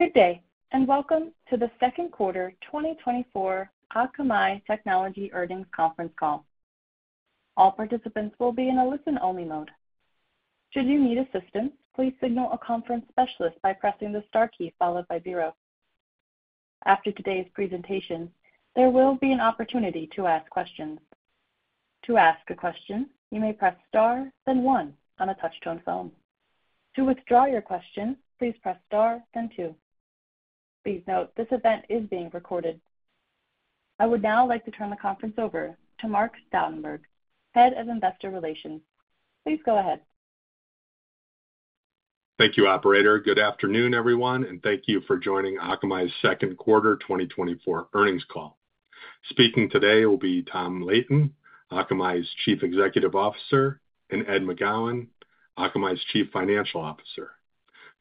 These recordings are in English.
Good day, and welcome to the second quarter 2024 Akamai Technologies Earnings Conference Call. All participants will be in a listen-only mode. Should you need assistance, please signal a conference specialist by pressing the star key followed by zero. After today's presentation, there will be an opportunity to ask questions. To ask a question, you may press Star, then one on a touchtone phone. To withdraw your question, please press Star, then two. Please note, this event is being recorded. I would now like to turn the conference over to Mark Stoutenberg, Head of Investor Relations. Please go ahead. Thank you, operator. Good afternoon, everyone, and thank you for joining Akamai's second quarter 2024 earnings call. Speaking today will be Tom Leighton, Akamai's Chief Executive Officer, and Ed McGowan, Akamai's Chief Financial Officer.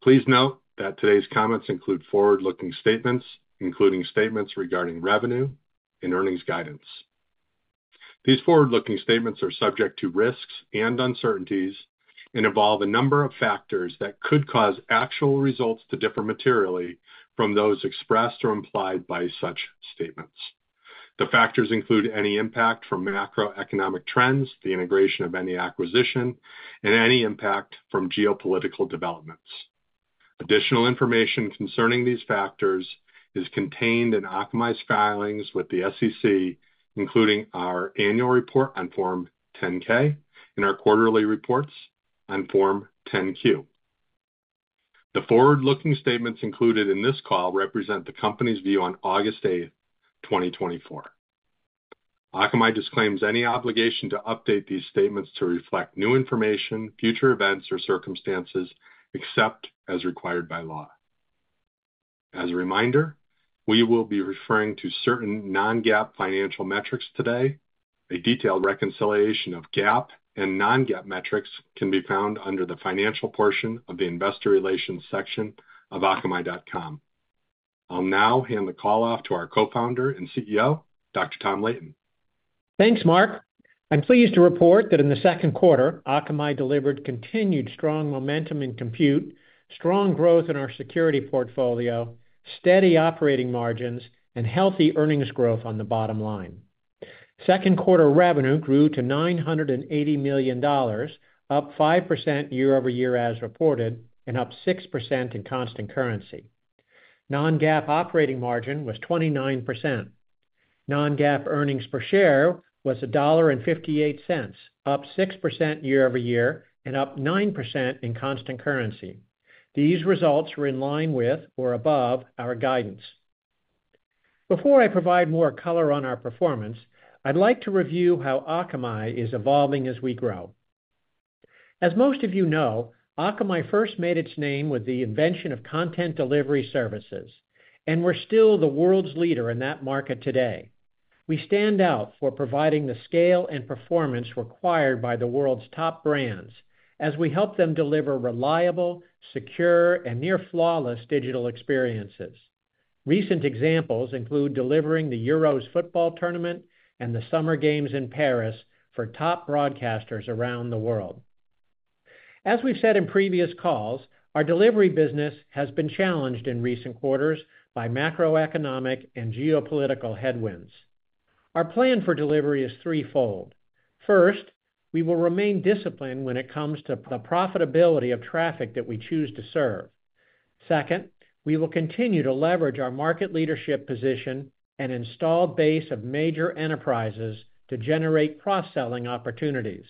Please note that today's comments include forward-looking statements, including statements regarding revenue and earnings guidance. These forward-looking statements are subject to risks and uncertainties and involve a number of factors that could cause actual results to differ materially from those expressed or implied by such statements. The factors include any impact from macroeconomic trends, the integration of any acquisition, and any impact from geopolitical developments. Additional information concerning these factors is contained in Akamai's filings with the SEC, including our annual report on Form 10-K and our quarterly reports on Form 10-Q. The forward-looking statements included in this call represent the company's view on August 8, 2024. Akamai disclaims any obligation to update these statements to reflect new information, future events, or circumstances, except as required by law. As a reminder, we will be referring to certain non-GAAP financial metrics today. A detailed reconciliation of GAAP and non-GAAP metrics can be found under the financial portion of the investor relations section of Akamai.com. I'll now hand the call off to our Co-Founder and CEO, Dr. Tom Leighton. Thanks, Mark. I'm pleased to report that in the second quarter, Akamai delivered continued strong momentum in compute, strong growth in our security portfolio, steady operating margins, and healthy earnings growth on the bottom line. Second quarter revenue grew to $980 million, up 5% year-over-year as reported, and up 6% in constant currency. Non-GAAP operating margin was 29%. Non-GAAP earnings per share was $1.58, up 6% year-over-year and up 9% in constant currency. These results were in line with or above our guidance. Before I provide more color on our performance, I'd like to review how Akamai is evolving as we grow. As most of you know, Akamai first made its name with the invention of content delivery services, and we're still the world's leader in that market today. We stand out for providing the scale and performance required by the world's top brands as we help them deliver reliable, secure, and near flawless digital experiences. Recent examples include delivering the Euros football tournament and the Summer Games in Paris for top broadcasters around the world. As we've said in previous calls, our delivery business has been challenged in recent quarters by macroeconomic and geopolitical headwinds. Our plan for delivery is threefold. First, we will remain disciplined when it comes to the profitability of traffic that we choose to serve. Second, we will continue to leverage our market leadership position and install base of major enterprises to generate cross-selling opportunities.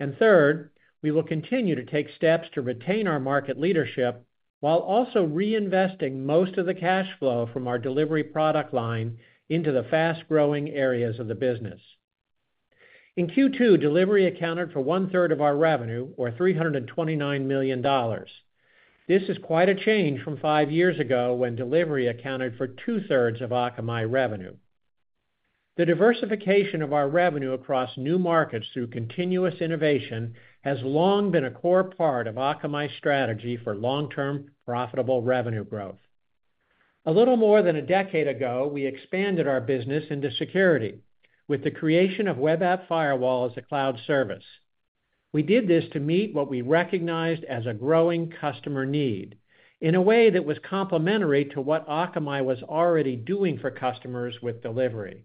And third, we will continue to take steps to retain our market leadership, while also reinvesting most of the cash flow from our delivery product line into the fast-growing areas of the business. In Q2, delivery accounted for one-third of our revenue, or $329 million. This is quite a change from 5 years ago, when delivery accounted for two-thirds of Akamai revenue. The diversification of our revenue across new markets through continuous innovation has long been a core part of Akamai's strategy for long-term, profitable revenue growth. A little more than a decade ago, we expanded our business into security with the creation of Web App Firewall as a cloud service. We did this to meet what we recognized as a growing customer need in a way that was complementary to what Akamai was already doing for customers with delivery.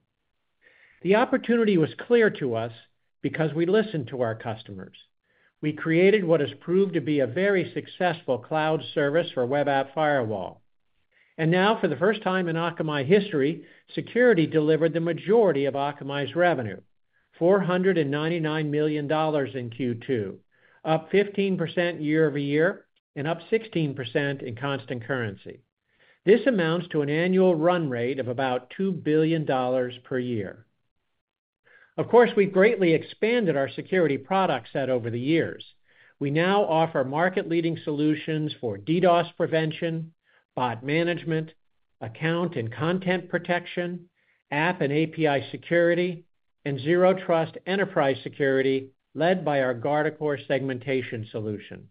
The opportunity was clear to us because we listened to our customers. We created what has proved to be a very successful cloud service for Web App Firewall, and now, for the first time in Akamai history, security delivered the majority of Akamai's revenue, $499 million in Q2, up 15% year-over-year and up 16% in constant currency. This amounts to an annual run rate of about $2 billion per year. Of course, we've greatly expanded our security product set over the years. We now offer market-leading solutions for DDoS prevention, bot management, account and content protection, app and API security, and zero trust enterprise security, led by our Guardicore Segmentation solution.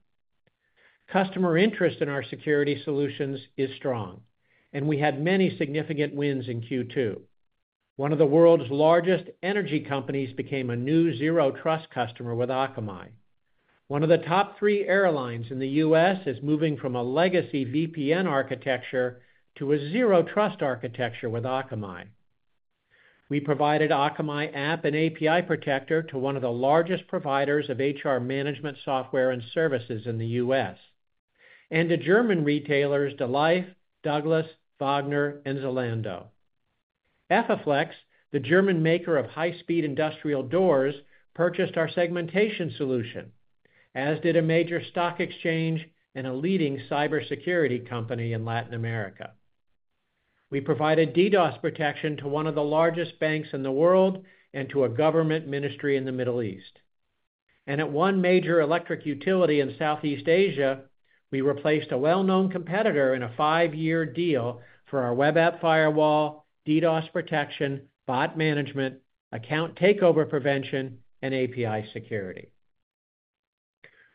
Customer interest in our security solutions is strong, and we had many significant wins in Q2. One of the world's largest energy companies became a new zero trust customer with Akamai.... One of the top three airlines in the U.S. is moving from a legacy VPN architecture to a zero trust architecture with Akamai. We provided Akamai App and API Protector to one of the largest providers of HR management software and services in the U.S., and to German retailers, DELIFE, Douglas, Bogner, and Zalando. Efaflex, the German maker of high-speed industrial doors, purchased our segmentation solution, as did a major stock exchange and a leading cybersecurity company in Latin America. We provided DDoS protection to one of the largest banks in the world and to a government ministry in the Middle East. At one major electric utility in Southeast Asia, we replaced a well-known competitor in a five-year deal for our web app firewall, DDoS protection, bot management, account takeover prevention, and API security.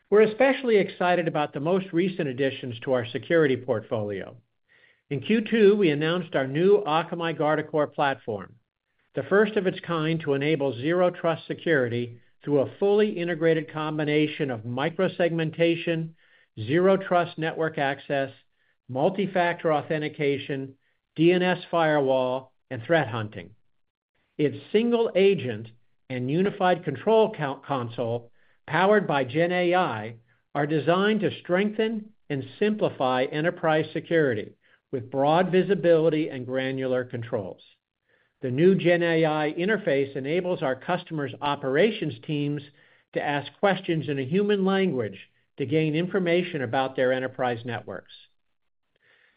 We're especially excited about the most recent additions to our security portfolio. In Q2, we announced our new Akamai Guardicore Platform, the first of its kind to enable Zero Trust security through a fully integrated combination of micro-segmentation, Zero Trust network access, multi-factor authentication, DNS firewall, and threat hunting. Its single agent and unified control center console, powered by GenAI, are designed to strengthen and simplify enterprise security with broad visibility and granular controls. The new GenAI interface enables our customers' operations teams to ask questions in a human language to gain information about their enterprise networks.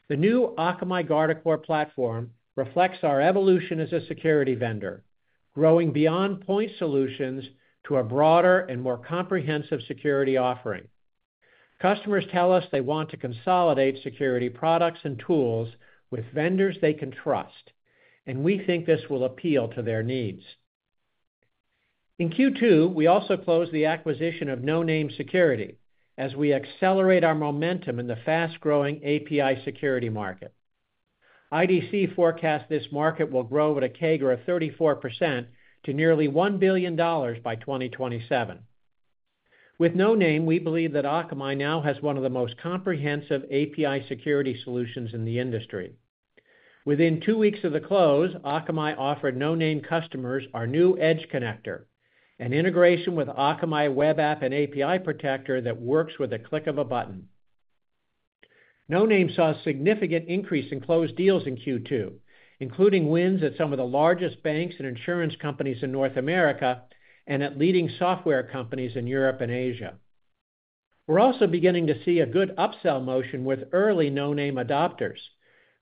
The new Akamai Guardicore Platform reflects our evolution as a security vendor, growing beyond point solutions to a broader and more comprehensive security offering. Customers tell us they want to consolidate security products and tools with vendors they can trust, and we think this will appeal to their needs. In Q2, we also closed the acquisition of Noname Security as we accelerate our momentum in the fast-growing API security market. IDC forecasts this market will grow at a CAGR of 34% to nearly $1 billion by 2027. With Noname, we believe that Akamai now has one of the most comprehensive API security solutions in the industry. Within two weeks of the close, Akamai offered Noname customers our new Edge Connector, an integration with Akamai App & API Protector that works with a click of a button. Noname saw a significant increase in closed deals in Q2, including wins at some of the largest banks and insurance companies in North America and at leading software companies in Europe and Asia. We're also beginning to see a good upsell motion with early Noname adopters.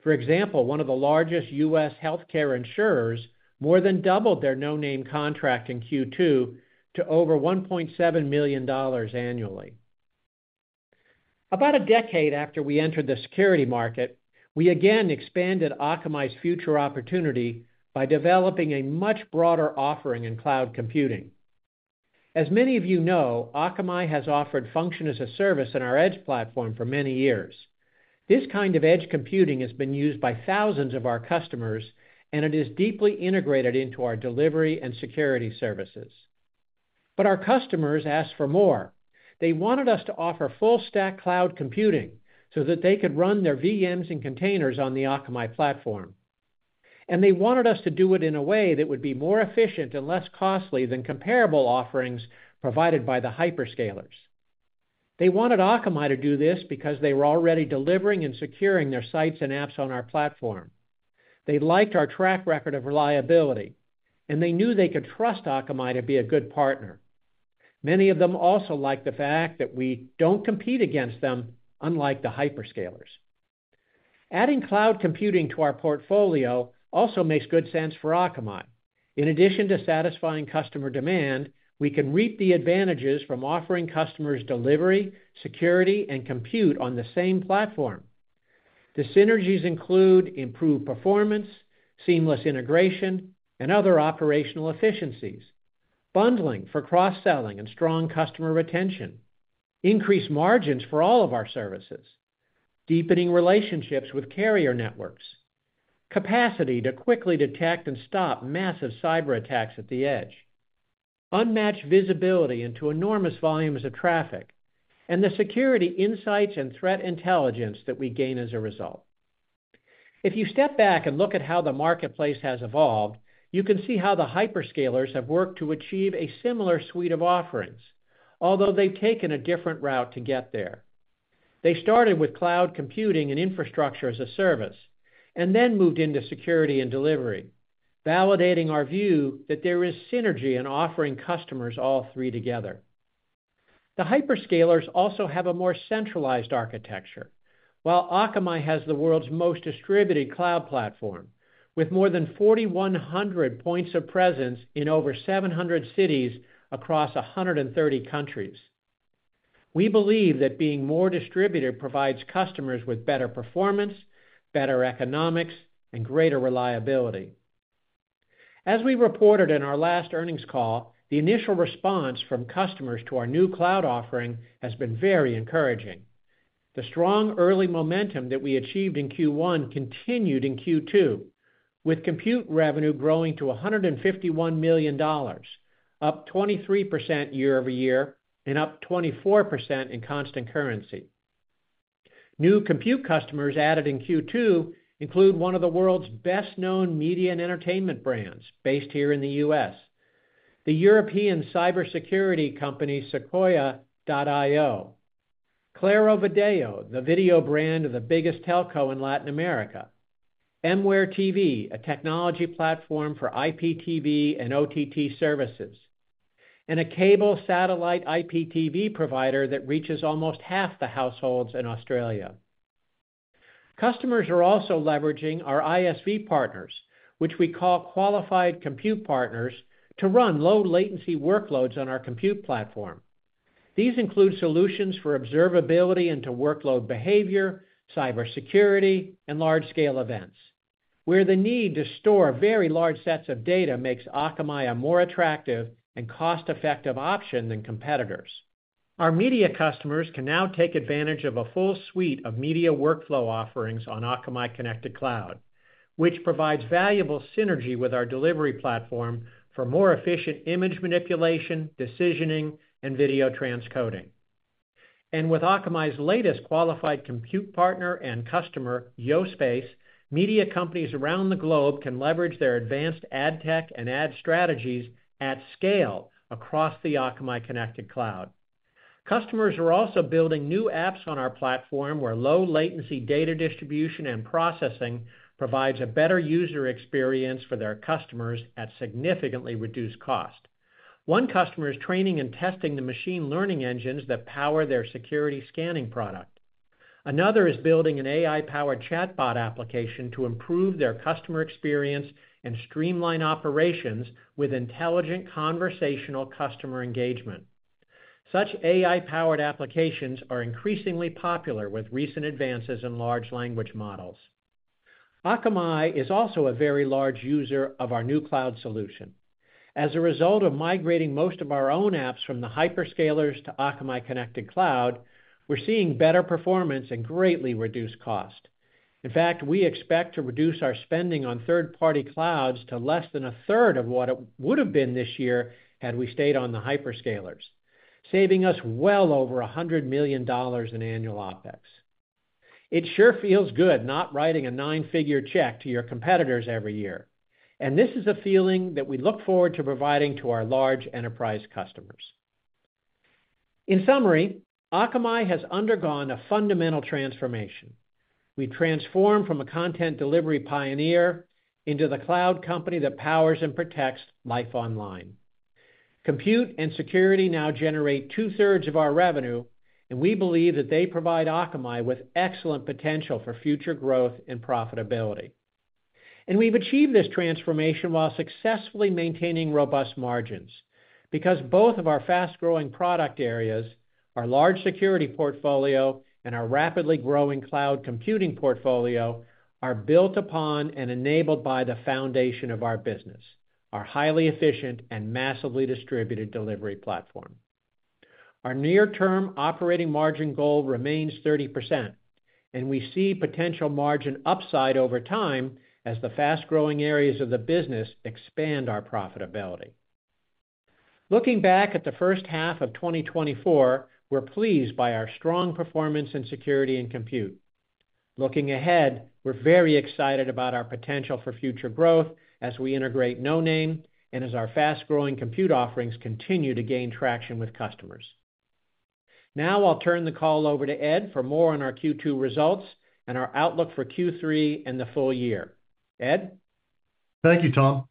For example, one of the largest U.S. healthcare insurers more than doubled their Noname contract in Q2 to over $1.7 million annually. About a decade after we entered the security market, we again expanded Akamai's future opportunity by developing a much broader offering in cloud computing. As many of you know, Akamai has offered Function as a Service in our Edge platform for many years. This kind of edge computing has been used by thousands of our customers, and it is deeply integrated into our delivery and security services. But our customers asked for more. They wanted us to offer full-stack cloud computing, so that they could run their VMs and containers on the Akamai platform. And they wanted us to do it in a way that would be more efficient and less costly than comparable offerings provided by the hyperscalers. They wanted Akamai to do this because they were already delivering and securing their sites and apps on our platform. They liked our track record of reliability, and they knew they could trust Akamai to be a good partner. Many of them also like the fact that we don't compete against them, unlike the hyperscalers. Adding cloud computing to our portfolio also makes good sense for Akamai. In addition to satisfying customer demand, we can reap the advantages from offering customers delivery, security, and compute on the same platform. The synergies include improved performance, seamless integration, and other operational efficiencies, bundling for cross-selling and strong customer retention, increased margins for all of our services, deepening relationships with carrier networks, capacity to quickly detect and stop massive cyberattacks at the edge, unmatched visibility into enormous volumes of traffic, and the security insights and threat intelligence that we gain as a result. If you step back and look at how the marketplace has evolved, you can see how the hyperscalers have worked to achieve a similar suite of offerings, although they've taken a different route to get there. They started with cloud computing and infrastructure as a service, and then moved into security and delivery, validating our view that there is synergy in offering customers all three together. The hyperscalers also have a more centralized architecture, while Akamai has the world's most distributed cloud platform, with more than 4,100 points of presence in over 700 cities across 130 countries. We believe that being more distributed provides customers with better performance, better economics, and greater reliability. As we reported in our last earnings call, the initial response from customers to our new cloud offering has been very encouraging... The strong early momentum that we achieved in Q1 continued in Q2, with compute revenue growing to $151 million, up 23% year-over-year and up 24% in constant currency. New compute customers added in Q2 include one of the world's best-known media and entertainment brands, based here in the US, the European cybersecurity company, Sekoia.io, Claro Video, the video brand of the biggest telco in Latin America, MwareTV, a technology platform for IPTV and OTT services, and a cable satellite IPTV provider that reaches almost half the households in Australia. Customers are also leveraging our ISV partners, which we call Qualified Compute Partners, to run low latency workloads on our compute platform. These include solutions for observability into workload behavior, cybersecurity, and large-scale events, where the need to store very large sets of data makes Akamai a more attractive and cost-effective option than competitors. Our media customers can now take advantage of a full suite of media workflow offerings on Akamai Connected Cloud, which provides valuable synergy with our delivery platform for more efficient image manipulation, decisioning, and video transcoding. With Akamai's latest qualified compute partner and customer, Yospace, media companies around the globe can leverage their advanced ad tech and ad strategies at scale across the Akamai Connected Cloud. Customers are also building new apps on our platform, where low latency data distribution and processing provides a better user experience for their customers at significantly reduced cost. One customer is training and testing the machine learning engines that power their security scanning product. Another is building an AI-powered chatbot application to improve their customer experience and streamline operations with intelligent conversational customer engagement. Such AI-powered applications are increasingly popular with recent advances in large language models. Akamai is also a very large user of our new cloud solution. As a result of migrating most of our own apps from the hyperscalers to Akamai Connected Cloud, we're seeing better performance and greatly reduced cost. In fact, we expect to reduce our spending on third-party clouds to less than a third of what it would have been this year had we stayed on the hyperscalers, saving us well over $100 million in annual OpEx. It sure feels good not writing a nine-figure check to your competitors every year, and this is a feeling that we look forward to providing to our large enterprise customers. In summary, Akamai has undergone a fundamental transformation. We transformed from a content delivery pioneer into the cloud company that powers and protects life online. Compute and security now generate two-thirds of our revenue, and we believe that they provide Akamai with excellent potential for future growth and profitability. And we've achieved this transformation while successfully maintaining robust margins, because both of our fast-growing product areas, our large security portfolio and our rapidly growing cloud computing portfolio, are built upon and enabled by the foundation of our business, our highly efficient and massively distributed delivery platform. Our near-term operating margin goal remains 30%, and we see potential margin upside over time as the fast-growing areas of the business expand our profitability. Looking back at the first half of 2024, we're pleased by our strong performance in security and compute. Looking ahead, we're very excited about our potential for future growth as we integrate Noname and as our fast-growing compute offerings continue to gain traction with customers. Now I'll turn the call over to Ed for more on our Q2 results and our outlook for Q3 and the full year. Ed? Thank you, Tom.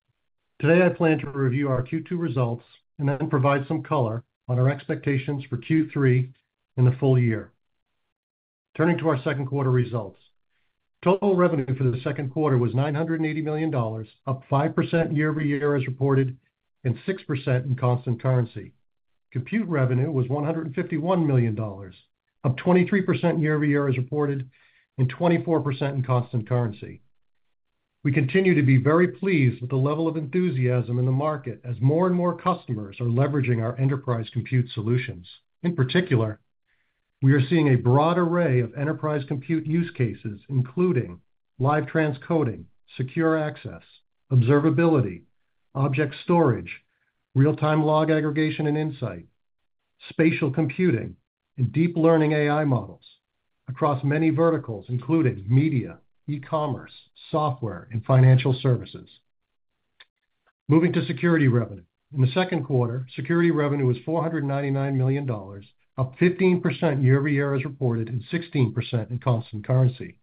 Today, I plan to review our Q2 results and then provide some color on our expectations for Q3 and the full year. Turning to our second quarter results. Total revenue for the second quarter was $980 million, up 5% year-over-year as reported, and 6% in constant currency. Compute revenue was $151 million, up 23% year-over-year as reported, and 24% in constant currency. We continue to be very pleased with the level of enthusiasm in the market as more and more customers are leveraging our enterprise compute solutions. In particular, we are seeing a broad array of enterprise compute use cases, including live transcoding, secure access, observability, object storage, real-time log aggregation and insight, spatial computing, and deep learning AI models across many verticals, including media, e-commerce, software, and financial services. Moving to security revenue. In the second quarter, security revenue was $499 million, up 15% year-over-year as reported, and 16% in constant currency.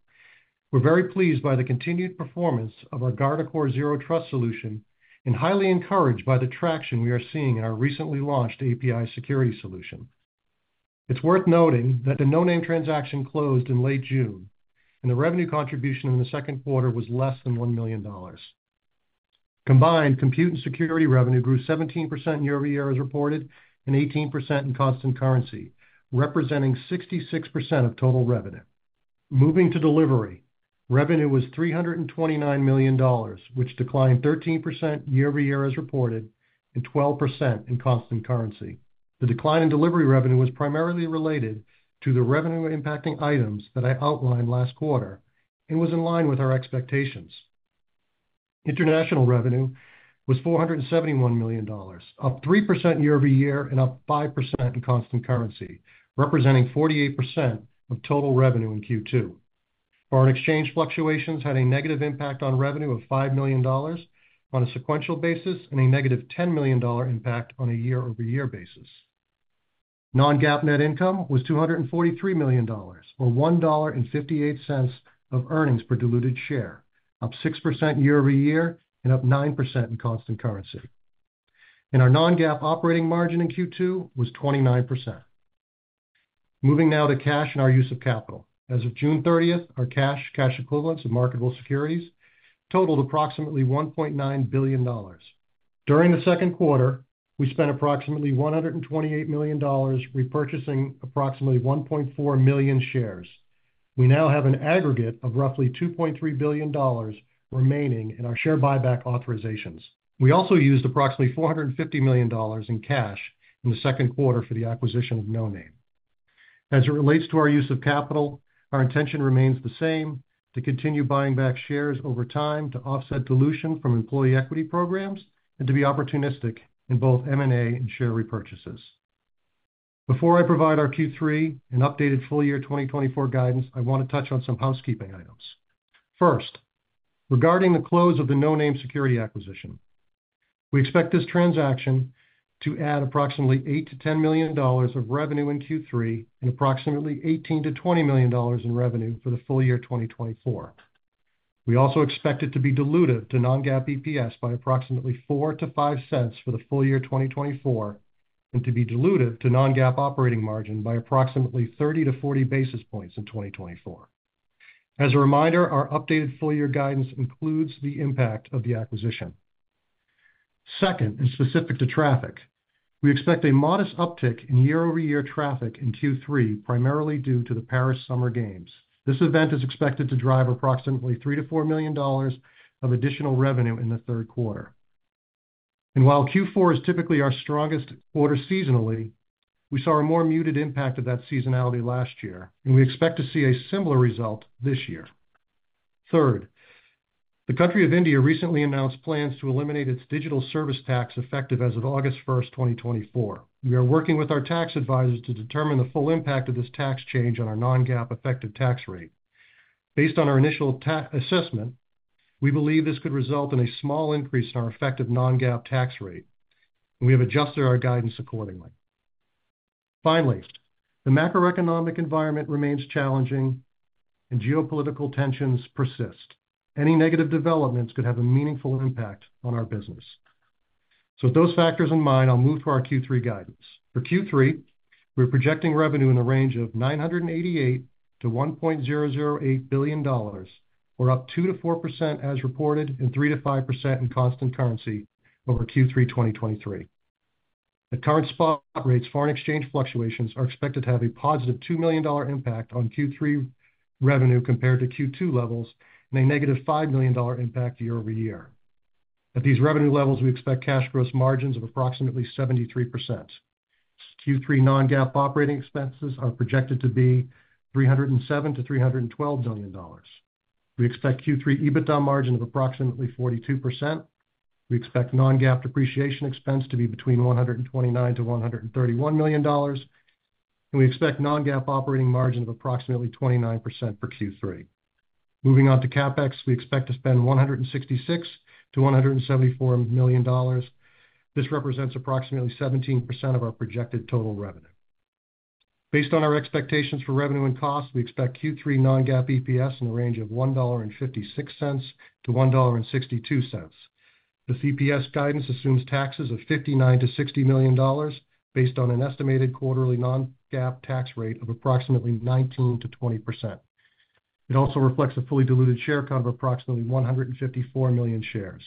We're very pleased by the continued performance of our Guardicore Zero Trust solution and highly encouraged by the traction we are seeing in our recently launched API security solution. It's worth noting that the Noname transaction closed in late June, and the revenue contribution in the second quarter was less than $1 million. Combined, compute and security revenue grew 17% year-over-year as reported, and 18% in constant currency, representing 66% of total revenue.... Moving to delivery, revenue was $329 million, which declined 13% year-over-year as reported, and 12% in constant currency. The decline in delivery revenue was primarily related to the revenue-impacting items that I outlined last quarter, and was in line with our expectations. International revenue was $471 million, up 3% year over year and up 5% in constant currency, representing 48% of total revenue in Q2. Foreign exchange fluctuations had a negative impact on revenue of $5 million on a sequential basis, and a negative $10 million impact on a year-over-year basis. Non-GAAP net income was $243 million, or $1.58 of earnings per diluted share, up 6% year over year and up 9% in constant currency. Our non-GAAP operating margin in Q2 was 29%. Moving now to cash and our use of capital. As of June 30, our cash, cash equivalents, and marketable securities totaled approximately $1.9 billion. During the second quarter, we spent approximately $128 million repurchasing approximately 1.4 million shares. We now have an aggregate of roughly $2.3 billion remaining in our share buyback authorizations. We also used approximately $450 million in cash in the second quarter for the acquisition of Noname. As it relates to our use of capital, our intention remains the same, to continue buying back shares over time to offset dilution from employee equity programs and to be opportunistic in both M&A and share repurchases. Before I provide our Q3 and updated full year 2024 guidance, I want to touch on some housekeeping items. First, regarding the close of the Noname Security acquisition, we expect this transaction to add approximately $8 million-$10 million of revenue in Q3 and approximately $18 million-$20 million in revenue for the full year 2024. We also expect it to be dilutive to non-GAAP EPS by approximately $0.04-$0.05 for the full year 2024, and to be dilutive to non-GAAP operating margin by approximately 30-40 basis points in 2024. As a reminder, our updated full year guidance includes the impact of the acquisition. Second, and specific to traffic, we expect a modest uptick in year-over-year traffic in Q3, primarily due to the Paris Summer Games. This event is expected to drive approximately $3 million-$4 million of additional revenue in the third quarter. While Q4 is typically our strongest quarter seasonally, we saw a more muted impact of that seasonality last year, and we expect to see a similar result this year. Third, the country of India recently announced plans to eliminate its digital service tax, effective as of August 1, 2024. We are working with our tax advisors to determine the full impact of this tax change on our non-GAAP effective tax rate. Based on our initial assessment, we believe this could result in a small increase in our effective non-GAAP tax rate, and we have adjusted our guidance accordingly. Finally, the macroeconomic environment remains challenging and geopolitical tensions persist. Any negative developments could have a meaningful impact on our business. With those factors in mind, I'll move to our Q3 guidance. For Q3, we're projecting revenue in the range of $988 million-$1.008 billion, or up 2%-4% as reported, and 3%-5% in constant currency over Q3 2023. At current spot rates, foreign exchange fluctuations are expected to have a positive $2 million impact on Q3 revenue compared to Q2 levels, and a negative $5 million impact year over year. At these revenue levels, we expect cash gross margins of approximately 73%. Q3 non-GAAP operating expenses are projected to be $307 million-$312 million. We expect Q3 EBITDA margin of approximately 42%. We expect non-GAAP depreciation expense to be between $129 million-$131 million, and we expect non-GAAP operating margin of approximately 29% for Q3. Moving on to CapEx, we expect to spend $166 million-$174 million. This represents approximately 17% of our projected total revenue. Based on our expectations for revenue and costs, we expect Q3 non-GAAP EPS in the range of $1.56-$1.62. The EPS guidance assumes taxes of $59 million-$60 million, based on an estimated quarterly non-GAAP tax rate of approximately 19%-20%. It also reflects a fully diluted share count of approximately 154 million shares.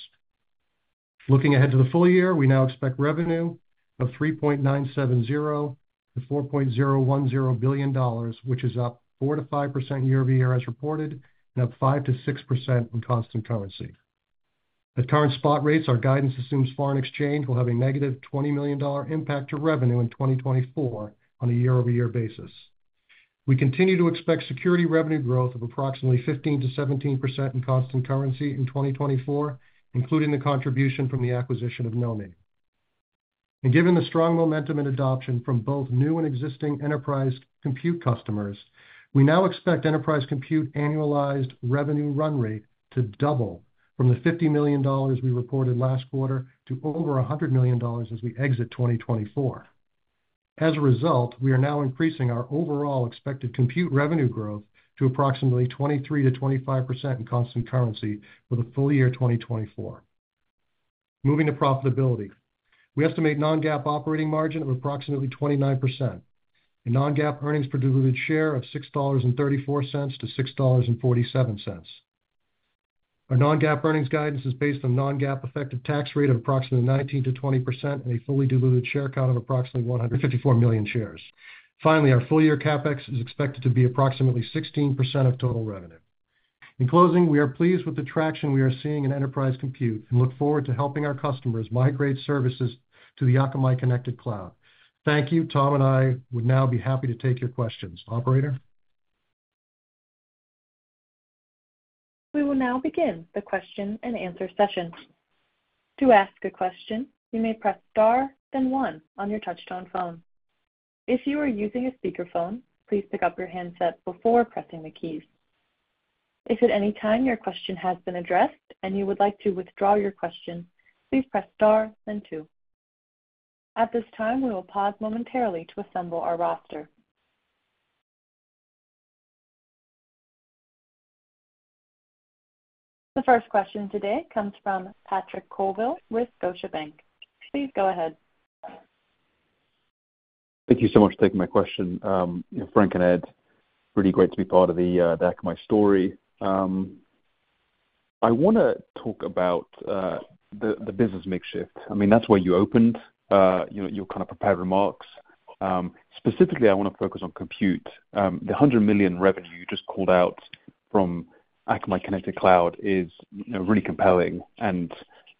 Looking ahead to the full year, we now expect revenue of $3.970 billion-$4.010 billion, which is up 4%-5% year-over-year as reported, and up 5%-6% in constant currency. At current spot rates, our guidance assumes foreign exchange will have a negative $20 million impact to revenue in 2024 on a year-over-year basis. We continue to expect security revenue growth of approximately 15%-17% in constant currency in 2024, including the contribution from the acquisition of Noname. And given the strong momentum and adoption from both new and existing Enterprise Compute customers, we now expect Enterprise Compute annualized revenue run rate to double from the $50 million we reported last quarter to over $100 million as we exit 2024. As a result, we are now increasing our overall expected compute revenue growth to approximately 23%-25% in constant currency for the full year 2024. Moving to profitability. We estimate non-GAAP operating margin of approximately 29% and non-GAAP earnings per diluted share of $6.34-$6.47. Our non-GAAP earnings guidance is based on non-GAAP effective tax rate of approximately 19%-20% and a fully diluted share count of approximately 154 million shares. Finally, our full year CapEx is expected to be approximately 16% of total revenue. In closing, we are pleased with the traction we are seeing in enterprise compute and look forward to helping our customers migrate services to the Akamai Connected Cloud. Thank you. Tom and I would now be happy to take your questions. Operator? We will now begin the question and answer session. To ask a question, you may press star, then one on your touchtone phone. If you are using a speakerphone, please pick up your handset before pressing the keys. If at any time your question has been addressed and you would like to withdraw your question, please press star then two. At this time, we will pause momentarily to assemble our roster. The first question today comes from Patrick Colville with Scotiabank. Please go ahead. Thank you so much for taking my question. Frank and Ed, really great to be part of the Akamai story. I wanna talk about the business mix shift. I mean, that's where you opened, you know, your kind of prepared remarks. Specifically, I wanna focus on compute. The $100 million revenue you just called out from Akamai Connected Cloud is, you know, really compelling, and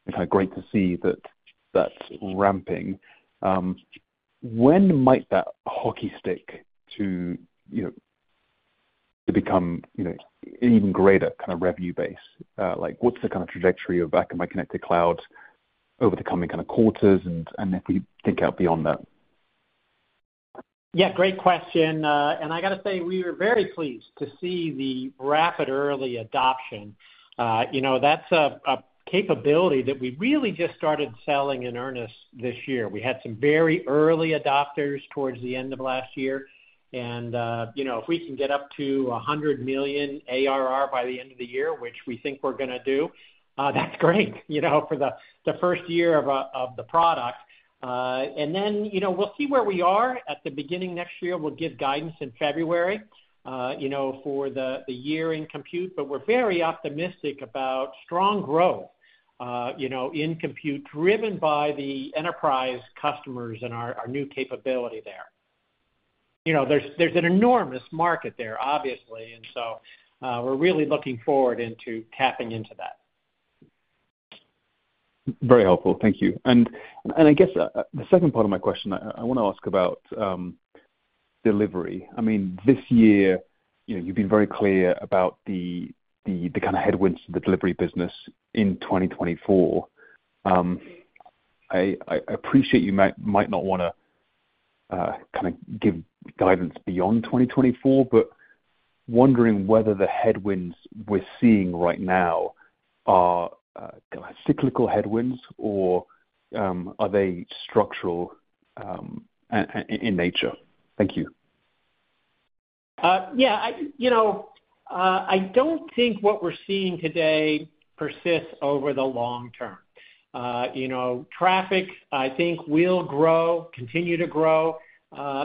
it's kind of great to see that that's ramping. When might that hockey stick to, you know, to become, you know, even greater kind of revenue base? Like, what's the kind of trajectory of Akamai Connected Cloud over the coming kind of quarters, and if we think out beyond that? Yeah, great question. And I gotta say, we are very pleased to see the rapid early adoption. You know, that's a capability that we really just started selling in earnest this year. We had some very early adopters towards the end of last year, and, you know, if we can get up to $100 million ARR by the end of the year, which we think we're gonna do, that's great, you know, for the first year of the product. And then, you know, we'll see where we are at the beginning of next year. We'll give guidance in February, you know, for the year in compute, but we're very optimistic about strong growth, you know, in compute, driven by the enterprise customers and our new capability there. You know, there's an enormous market there, obviously, and so we're really looking forward into tapping into that. Very helpful. Thank you. I guess, the second part of my question, I wanna ask about delivery. I mean, this year, you know, you've been very clear about the kind of headwinds of the delivery business in 2024. I appreciate you might not wanna kind of give guidance beyond 2024, but wondering whether the headwinds we're seeing right now are kinda cyclical headwinds, or are they structural in nature? Thank you. Yeah, you know, I don't think what we're seeing today persists over the long term. You know, traffic, I think, will grow, continue to grow,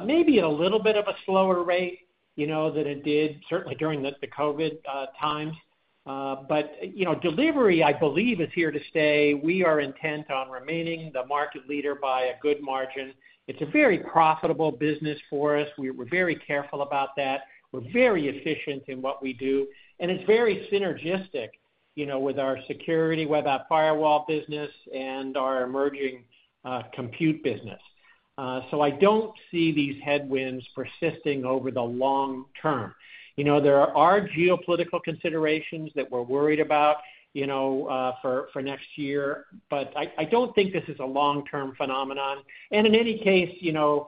maybe at a little bit of a slower rate, you know, than it did certainly during the COVID times. But, you know, delivery, I believe, is here to stay. We are intent on remaining the market leader by a good margin. It's a very profitable business for us. We're very careful about that. We're very efficient in what we do, and it's very synergistic, you know, with our security, web app firewall business and our emerging compute business. So I don't see these headwinds persisting over the long term. You know, there are geopolitical considerations that we're worried about, you know, for next year, but I don't think this is a long-term phenomenon. And in any case, you know,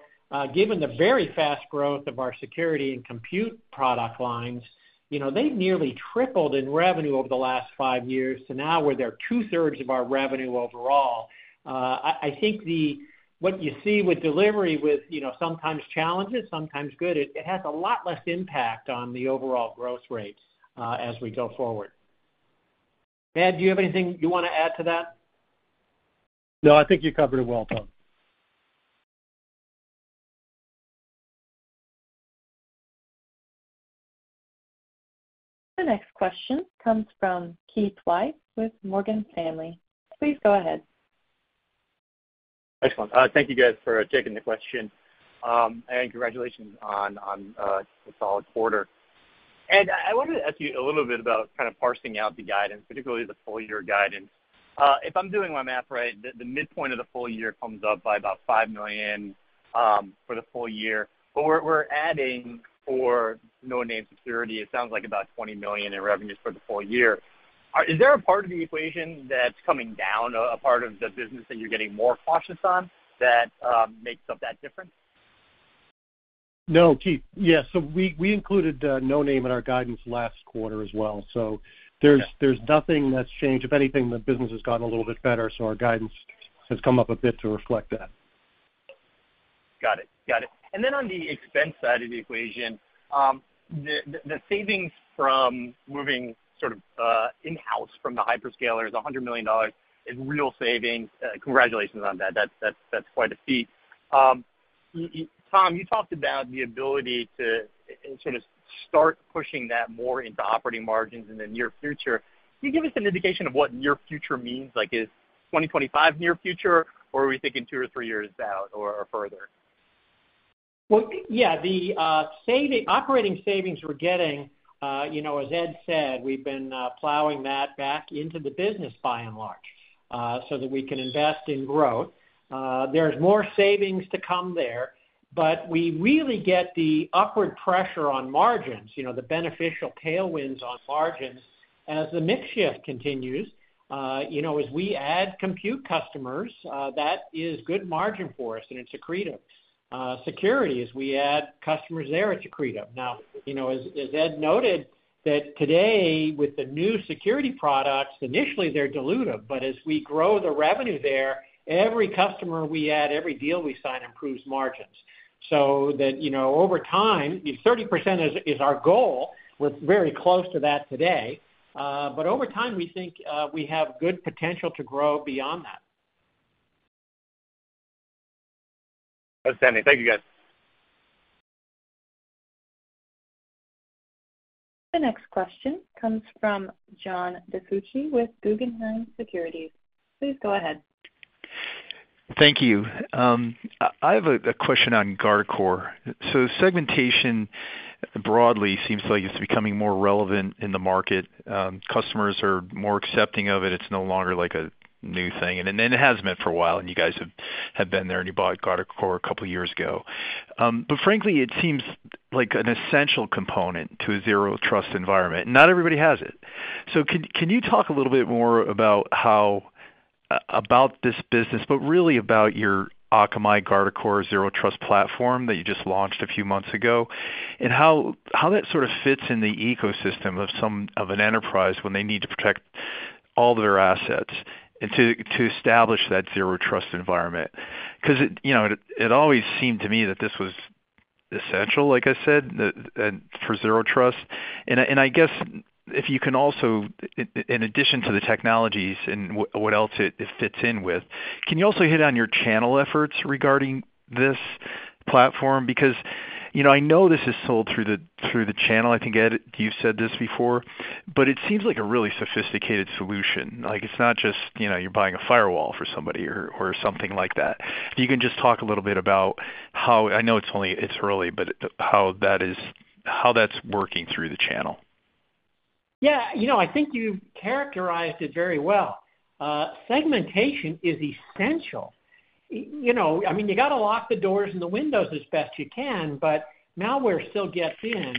given the very fast growth of our security and compute product lines, you know, they've nearly tripled in revenue over the last five years, so now they're two-thirds of our revenue overall. I think what you see with delivery, you know, sometimes challenges, sometimes good, it has a lot less impact on the overall growth rates, as we go forward. Ed, do you have anything you wanna add to that? No, I think you covered it well, Tom. The next question comes from Keith Weiss with Morgan Stanley. Please go ahead. Excellent. Thank you guys for taking the question. Congratulations on the solid quarter. Ed, I wanted to ask you a little bit about kind of parsing out the guidance, particularly the full year guidance. If I'm doing my math right, the midpoint of the full year comes up by about $5 million for the full year, but we're adding for Noname Security, it sounds like about $20 million in revenues for the full year. Is there a part of the equation that's coming down, a part of the business that you're getting more cautious on, that makes up that difference? No, Keith. Yes, so we included Noname in our guidance last quarter as well. Yeah. There's nothing that's changed. If anything, the business has gotten a little bit better, so our guidance has come up a bit to reflect that. Got it. Got it. And then on the expense side of the equation, the savings from moving sort of in-house from the hyperscaler is $100 million is real savings. Congratulations on that. That's quite a feat. Tom, you talked about the ability to sort of start pushing that more into operating margins in the near future. Can you give us an indication of what near future means? Like, is 2025 near future, or are we thinking two or three years out or further? Well, yeah, the operating savings we're getting, you know, as Ed said, we've been plowing that back into the business by and large, so that we can invest in growth. There's more savings to come there, but we really get the upward pressure on margins, you know, the beneficial tailwinds on margins as the mix shift continues. You know, as we add compute customers, that is good margin for us, and it's accretive. Security, as we add customers there, it's accretive. Now, you know, as Ed noted, that today, with the new security products, initially they're dilutive, but as we grow the revenue there, every customer we add, every deal we sign, improves margins. So that, you know, over time, if 30% is our goal, we're very close to that today. But over time, we think we have good potential to grow beyond that. Understanding. Thank you, guys. The next question comes from John DiFucci with Guggenheim Securities. Please go ahead. Thank you. I have a question on Guardicore. So segmentation broadly seems like it's becoming more relevant in the market. Customers are more accepting of it. It's no longer like a new thing, and it has been for a while, and you guys have been there, and you bought Guardicore a couple years ago. But frankly, it seems like an essential component to a zero trust environment. Not everybody has it. So can you talk a little bit more about how about this business, but really about your Akamai Guardicore Zero Trust platform that you just launched a few months ago, and how that sort of fits in the ecosystem of an enterprise when they need to protect all their assets, and to establish that zero trust environment? Because it, you know, it always seemed to me that this was essential, like I said, the for Zero Trust. And I, and I guess if you can also, in addition to the technologies and what else it fits in with, can you also hit on your channel efforts regarding this platform? Because, you know, I know this is sold through the channel. I think, Ed, you said this before, but it seems like a really sophisticated solution. Like, it's not just, you know, you're buying a firewall for somebody or something like that. If you can just talk a little bit about how I know it's only early, but how that's working through the channel. Yeah, you know, I think you characterized it very well. Segmentation is essential. You know, I mean, you gotta lock the doors and the windows as best you can, but malware still gets in.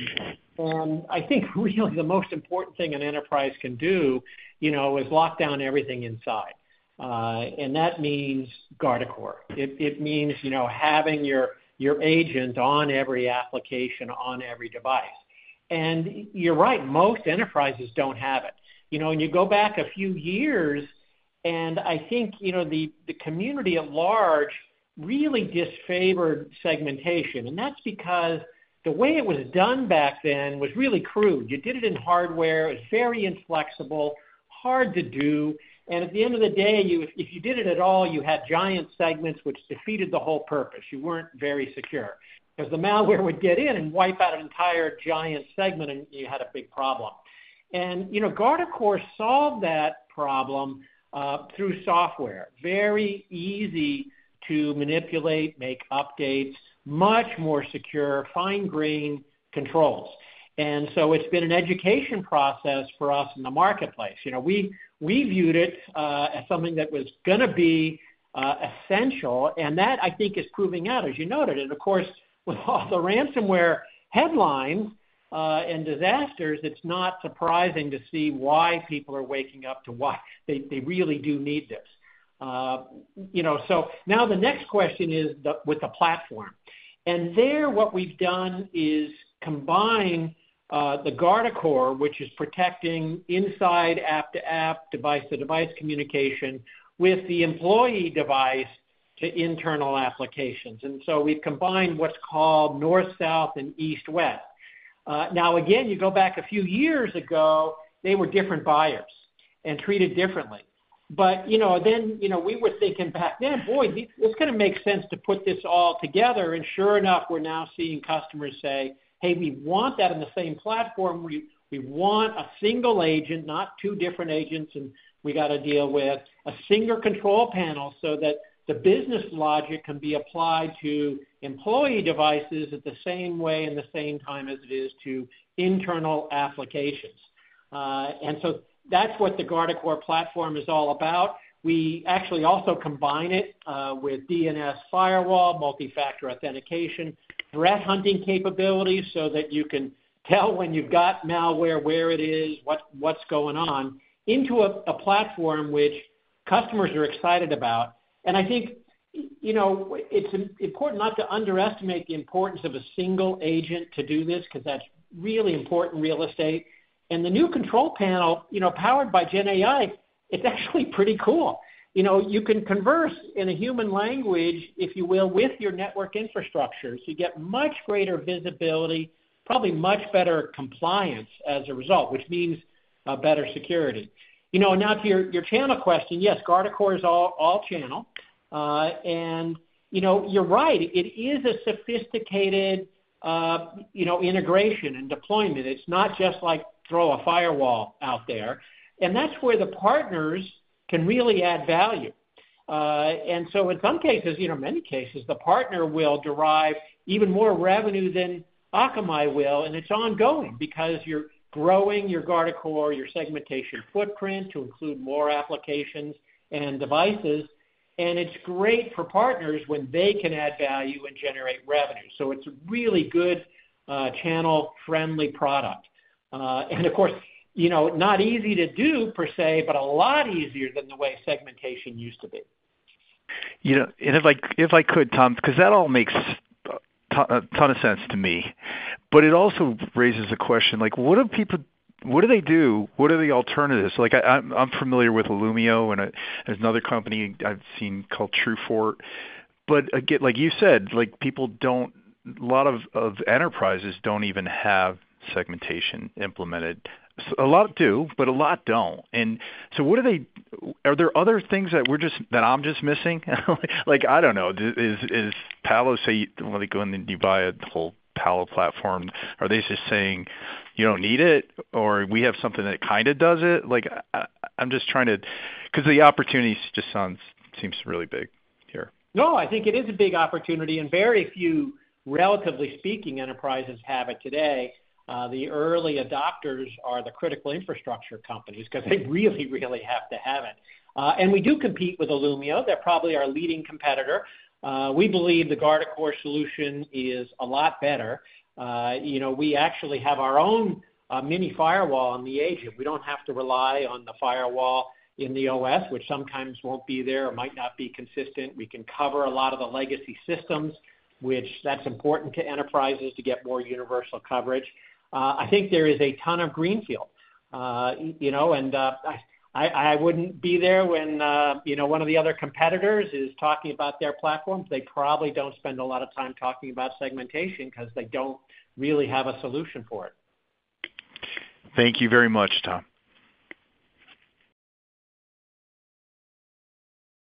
And I think really the most important thing an enterprise can do, you know, is lock down everything inside, and that means Guardicore. It means, you know, having your agent on every application, on every device. And you're right, most enterprises don't have it. You know, when you go back a few years, and I think, you know, the community at large really disfavored segmentation, and that's because the way it was done back then was really crude. You did it in hardware. It was very inflexible, hard to do, and at the end of the day, you, if you did it at all, you had giant segments, which defeated the whole purpose. You weren't very secure. Because the malware would get in and wipe out an entire giant segment, and you had a big problem. You know, Guardicore solved that problem through software. Very easy to manipulate, make updates, much more secure, fine grain controls. So it's been an education process for us in the marketplace. You know, we viewed it as something that was gonna be essential, and that, I think, is proving out, as you noted. And of course, with all the ransomware headlines and disasters, it's not surprising to see why people are waking up to why they really do need this. You know, so now the next question is with the platform. And there, what we've done is combine the Guardicore, which is protecting inside app to app, device to device communication, with the employee device to internal applications. And so we've combined what's called north, south, and east, west. Now, again, you go back a few years ago, they were different buyers and treated differently. But, you know, then, you know, we were thinking back then, boy, this gonna make sense to put this all together, and sure enough, we're now seeing customers say, "Hey, we want that in the same platform. We want a single agent, not two different agents, and we got to deal with a single control panel so that the business logic can be applied to employee devices at the same way and the same time as it is to internal applications." So that's what the Guardicore platform is all about. We actually also combine it with DNS firewall, multi-factor authentication, threat hunting capabilities, so that you can tell when you've got malware, where it is, what's going on, into a platform which customers are excited about. I think, you know, it's important not to underestimate the importance of a single agent to do this, because that's really important real estate. The new control panel, you know, powered by GenAI. It's actually pretty cool. You know, you can converse in a human language, if you will, with your network infrastructure. So you get much greater visibility, probably much better compliance as a result, which means, better security. You know, now to your, your channel question, yes, Guardicore is all, all channel. And, you know, you're right, it is a sophisticated, you know, integration and deployment. It's not just like throw a firewall out there, and that's where the partners can really add value. And so in some cases, you know, in many cases, the partner will derive even more revenue than Akamai will, and it's ongoing because you're growing your Guardicore, your segmentation footprint, to include more applications and devices. And it's great for partners when they can add value and generate revenue. So it's a really good, channel-friendly product. Of course, you know, not easy to do per se, but a lot easier than the way segmentation used to be. You know, and if I, if I could, Tom, 'cause that all makes a ton of sense to me, but it also raises a question, like, what do people— what do they do? What are the alternatives? Like, I, I'm, I'm familiar with Illumio, and there's another company I've seen called TrueFort. But again, like you said, like people don't... a lot of enterprises don't even have segmentation implemented. So a lot do, but a lot don't. And so what are they— are there other things that we're just— that I'm just missing? Like, I don't know, does Palo, say, when they go in and you buy a whole Palo platform, are they just saying, "You don't need it," or, "We have something that kind of does it?" Like, I'm just trying to... 'cause the opportunity just sounds, seems really big here. No, I think it is a big opportunity, and very few, relatively speaking, enterprises have it today. The early adopters are the critical infrastructure companies, 'cause they really, really have to have it. And we do compete with Illumio. They're probably our leading competitor. We believe the Guardicore solution is a lot better. You know, we actually have our own mini firewall on the agent. We don't have to rely on the firewall in the OS, which sometimes won't be there or might not be consistent. We can cover a lot of the legacy systems, which that's important to enterprises to get more universal coverage. I think there is a ton of greenfield. You know, and I wouldn't be there when, you know, one of the other competitors is talking about their platforms. They probably don't spend a lot of time talking about segmentation 'cause they don't really have a solution for it. Thank you very much, Tom.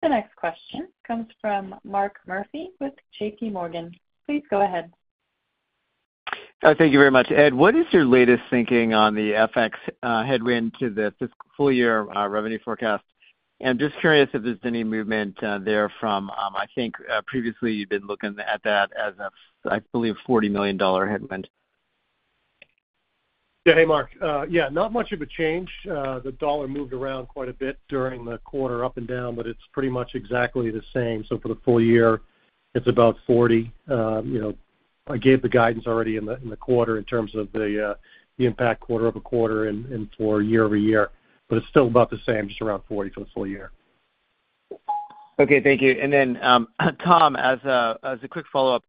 The next question comes from Mark Murphy with JPMorgan. Please go ahead. Thank you very much. Ed, what is your latest thinking on the FX headwind to the full year revenue forecast? And just curious if there's any movement there from, I think, previously you've been looking at that as a, I believe, $40 million headwind. Yeah, hey, Mark. Yeah, not much of a change. The dollar moved around quite a bit during the quarter, up and down, but it's pretty much exactly the same. So for the full year, it's about $40. You know, I gave the guidance already in the, in the quarter in terms of the, the impact quarter-over-quarter and, and for year-over-year, but it's still about the same, just around $40 for the full year. Okay, thank you. And then, Tom, as a quick follow-up,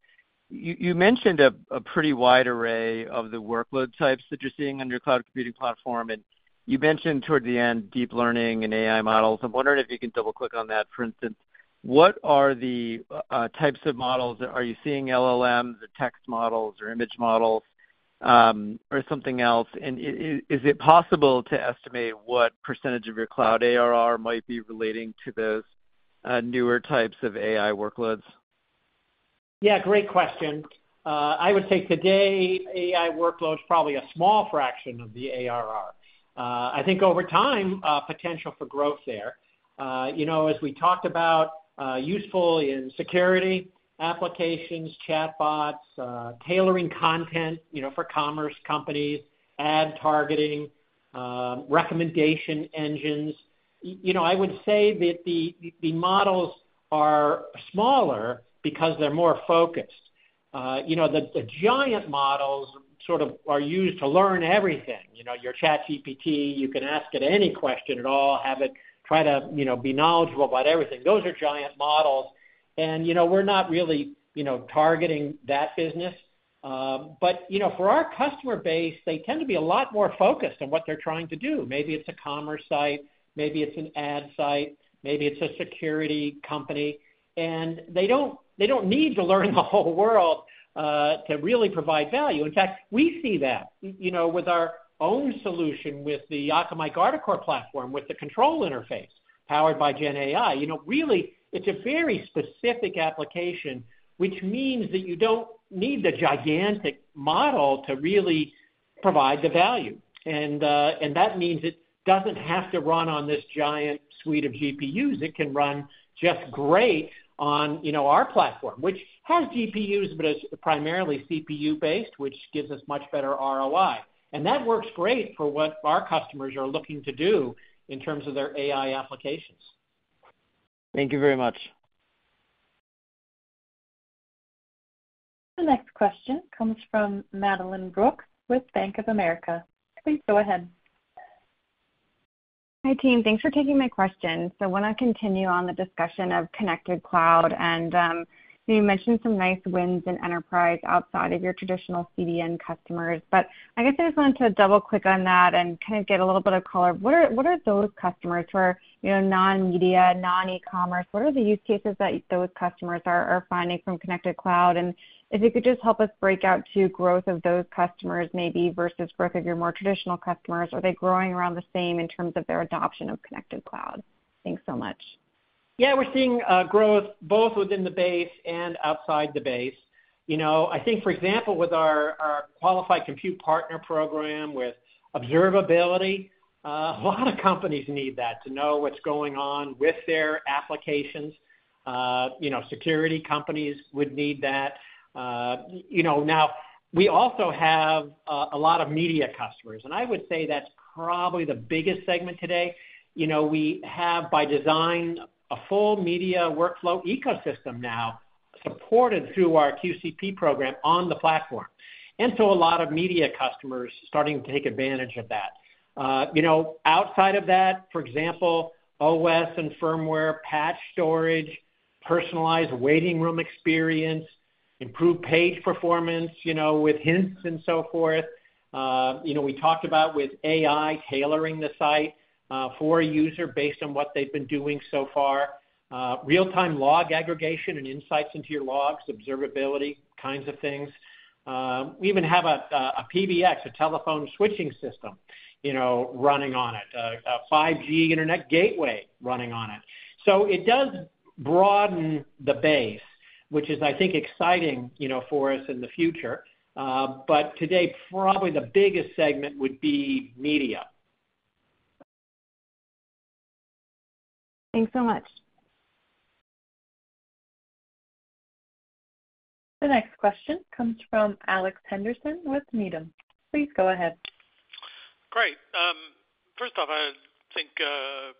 you mentioned a pretty wide array of the workload types that you're seeing on your cloud computing platform, and you mentioned toward the end, deep learning and AI models. I'm wondering if you can double click on that. For instance, what are the types of models? Are you seeing LLMs or text models or image models, or something else? And is it possible to estimate what percentage of your cloud ARR might be relating to those newer types of AI workloads? Yeah, great question. I would say today, AI workloads are probably a small fraction of the ARR. I think over time, potential for growth there. You know, as we talked about, useful in security applications, chatbots, tailoring content, you know, for commerce companies, ad targeting, recommendation engines. You know, I would say that the models are smaller because they're more focused. You know, the giant models sort of are used to learn everything. You know, your ChatGPT, you can ask it any question at all, have it try to, you know, be knowledgeable about everything. Those are giant models, and, you know, we're not really targeting that business. But, you know, for our customer base, they tend to be a lot more focused on what they're trying to do. Maybe it's a commerce site, maybe it's an ad site, maybe it's a security company, and they don't, they don't need to learn the whole world to really provide value. In fact, we see that, you know, with our own solution, with the Akamai Guardicore Platform, with the control interface, powered by GenAI. You know, really, it's a very specific application, which means that you don't need the gigantic model to really provide the value. And that means it doesn't have to run on this giant suite of GPUs. It can run just great on, you know, our platform, which has GPUs, but it's primarily CPU-based, which gives us much better ROI. And that works great for what our customers are looking to do in terms of their AI applications. Thank you very much. The next question comes from Madeline Brooks with Bank of America. Please go ahead.... Hi, team. Thanks for taking my question. So I want to continue on the discussion of Connected Cloud, and you mentioned some nice wins in enterprise outside of your traditional CDN customers. But I guess I just wanted to double-click on that and kind of get a little bit of color. What are, what are those customers who are, you know, non-media, non-e-commerce? What are the use cases that those customers are, are finding from Connected Cloud? And if you could just help us break out to growth of those customers, maybe versus growth of your more traditional customers, are they growing around the same in terms of their adoption of Connected Cloud? Thanks so much. Yeah, we're seeing growth both within the base and outside the base. You know, I think, for example, with our, our Qualified Compute Partner Program, with observability, a lot of companies need that to know what's going on with their applications. You know, security companies would need that. You know, now, we also have a lot of media customers, and I would say that's probably the biggest segment today. You know, we have, by design, a full media workflow ecosystem now supported through our QCP program on the platform, and so a lot of media customers starting to take advantage of that. You know, outside of that, for example, OS and firmware, patch storage, personalized waiting room experience, improved page performance, you know, with hints and so forth. You know, we talked about with AI, tailoring the site, for a user based on what they've been doing so far, real-time log aggregation and insights into your logs, observability kinds of things. We even have a PBX, a telephone switching system, you know, running on it, a 5G internet gateway running on it. So it does broaden the base, which is, I think, exciting, you know, for us in the future. But today, probably the biggest segment would be media. Thanks so much. The next question comes from Alex Henderson with Needham. Please go ahead. Great. First off, I think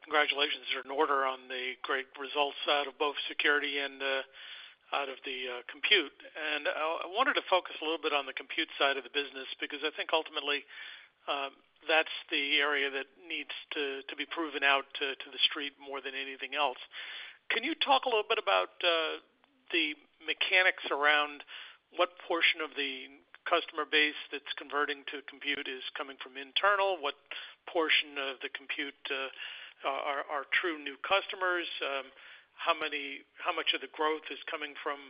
congratulations are in order on the great results out of both security and out of the compute. And I wanted to focus a little bit on the compute side of the business, because I think ultimately, that's the area that needs to be proven out to the street more than anything else. Can you talk a little bit about the mechanics around what portion of the customer base that's converting to compute is coming from internal? What portion of the compute are true new customers? How much of the growth is coming from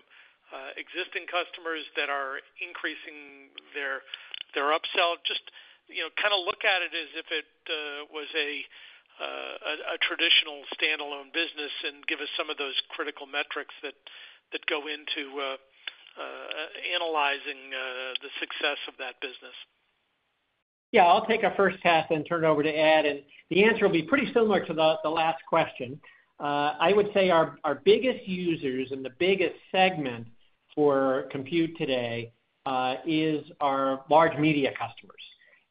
existing customers that are increasing their upsell? Just, you know, kind of look at it as if it was a traditional standalone business and give us some of those critical metrics that go into analyzing the success of that business. Yeah, I'll take a first half and turn it over to Ed, and the answer will be pretty similar to the last question. I would say our biggest users and the biggest segment for compute today is our large media customers,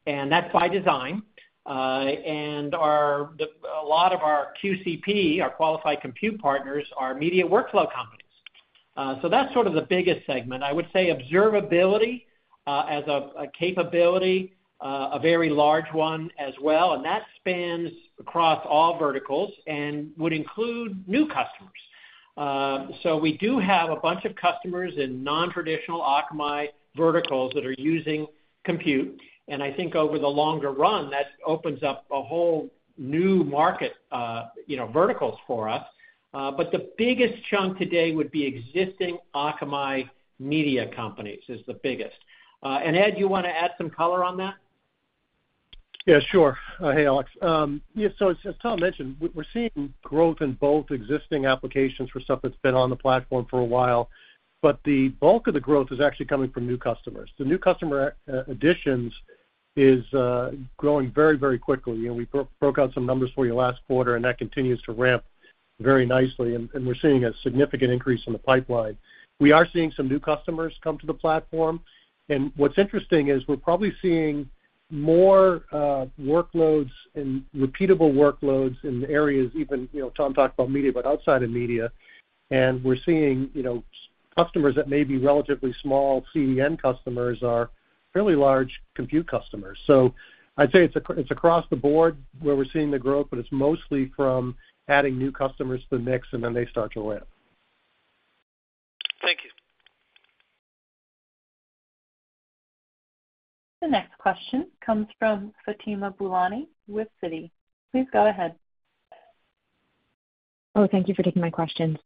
and that's by design. And a lot of our QCP, our Qualified Compute Partners, are media workflow companies. So that's sort of the biggest segment. I would say observability as a capability a very large one as well, and that spans across all verticals and would include new customers. So we do have a bunch of customers in non-traditional Akamai verticals that are using compute, and I think over the longer run, that opens up a whole new market, you know, verticals for us. But the biggest chunk today would be existing Akamai media companies, is the biggest. And Ed, you want to add some color on that? Yeah, sure. Hey, Alex. Yeah, so as Tom mentioned, we're seeing growth in both existing applications for stuff that's been on the platform for a while, but the bulk of the growth is actually coming from new customers. The new customer additions is growing very, very quickly. You know, we broke out some numbers for you last quarter, and that continues to ramp very nicely, and we're seeing a significant increase in the pipeline. We are seeing some new customers come to the platform, and what's interesting is we're probably seeing more workloads and repeatable workloads in areas even, you know, Tom talked about media, but outside of media, and we're seeing, you know, customers that may be relatively small CDN customers are fairly large compute customers. So I'd say it's across the board where we're seeing the growth, but it's mostly from adding new customers to the mix, and then they start to ramp. Thank you. The next question comes from Fatima Boolani with Citi. Please go ahead. Oh, thank you for taking my questions.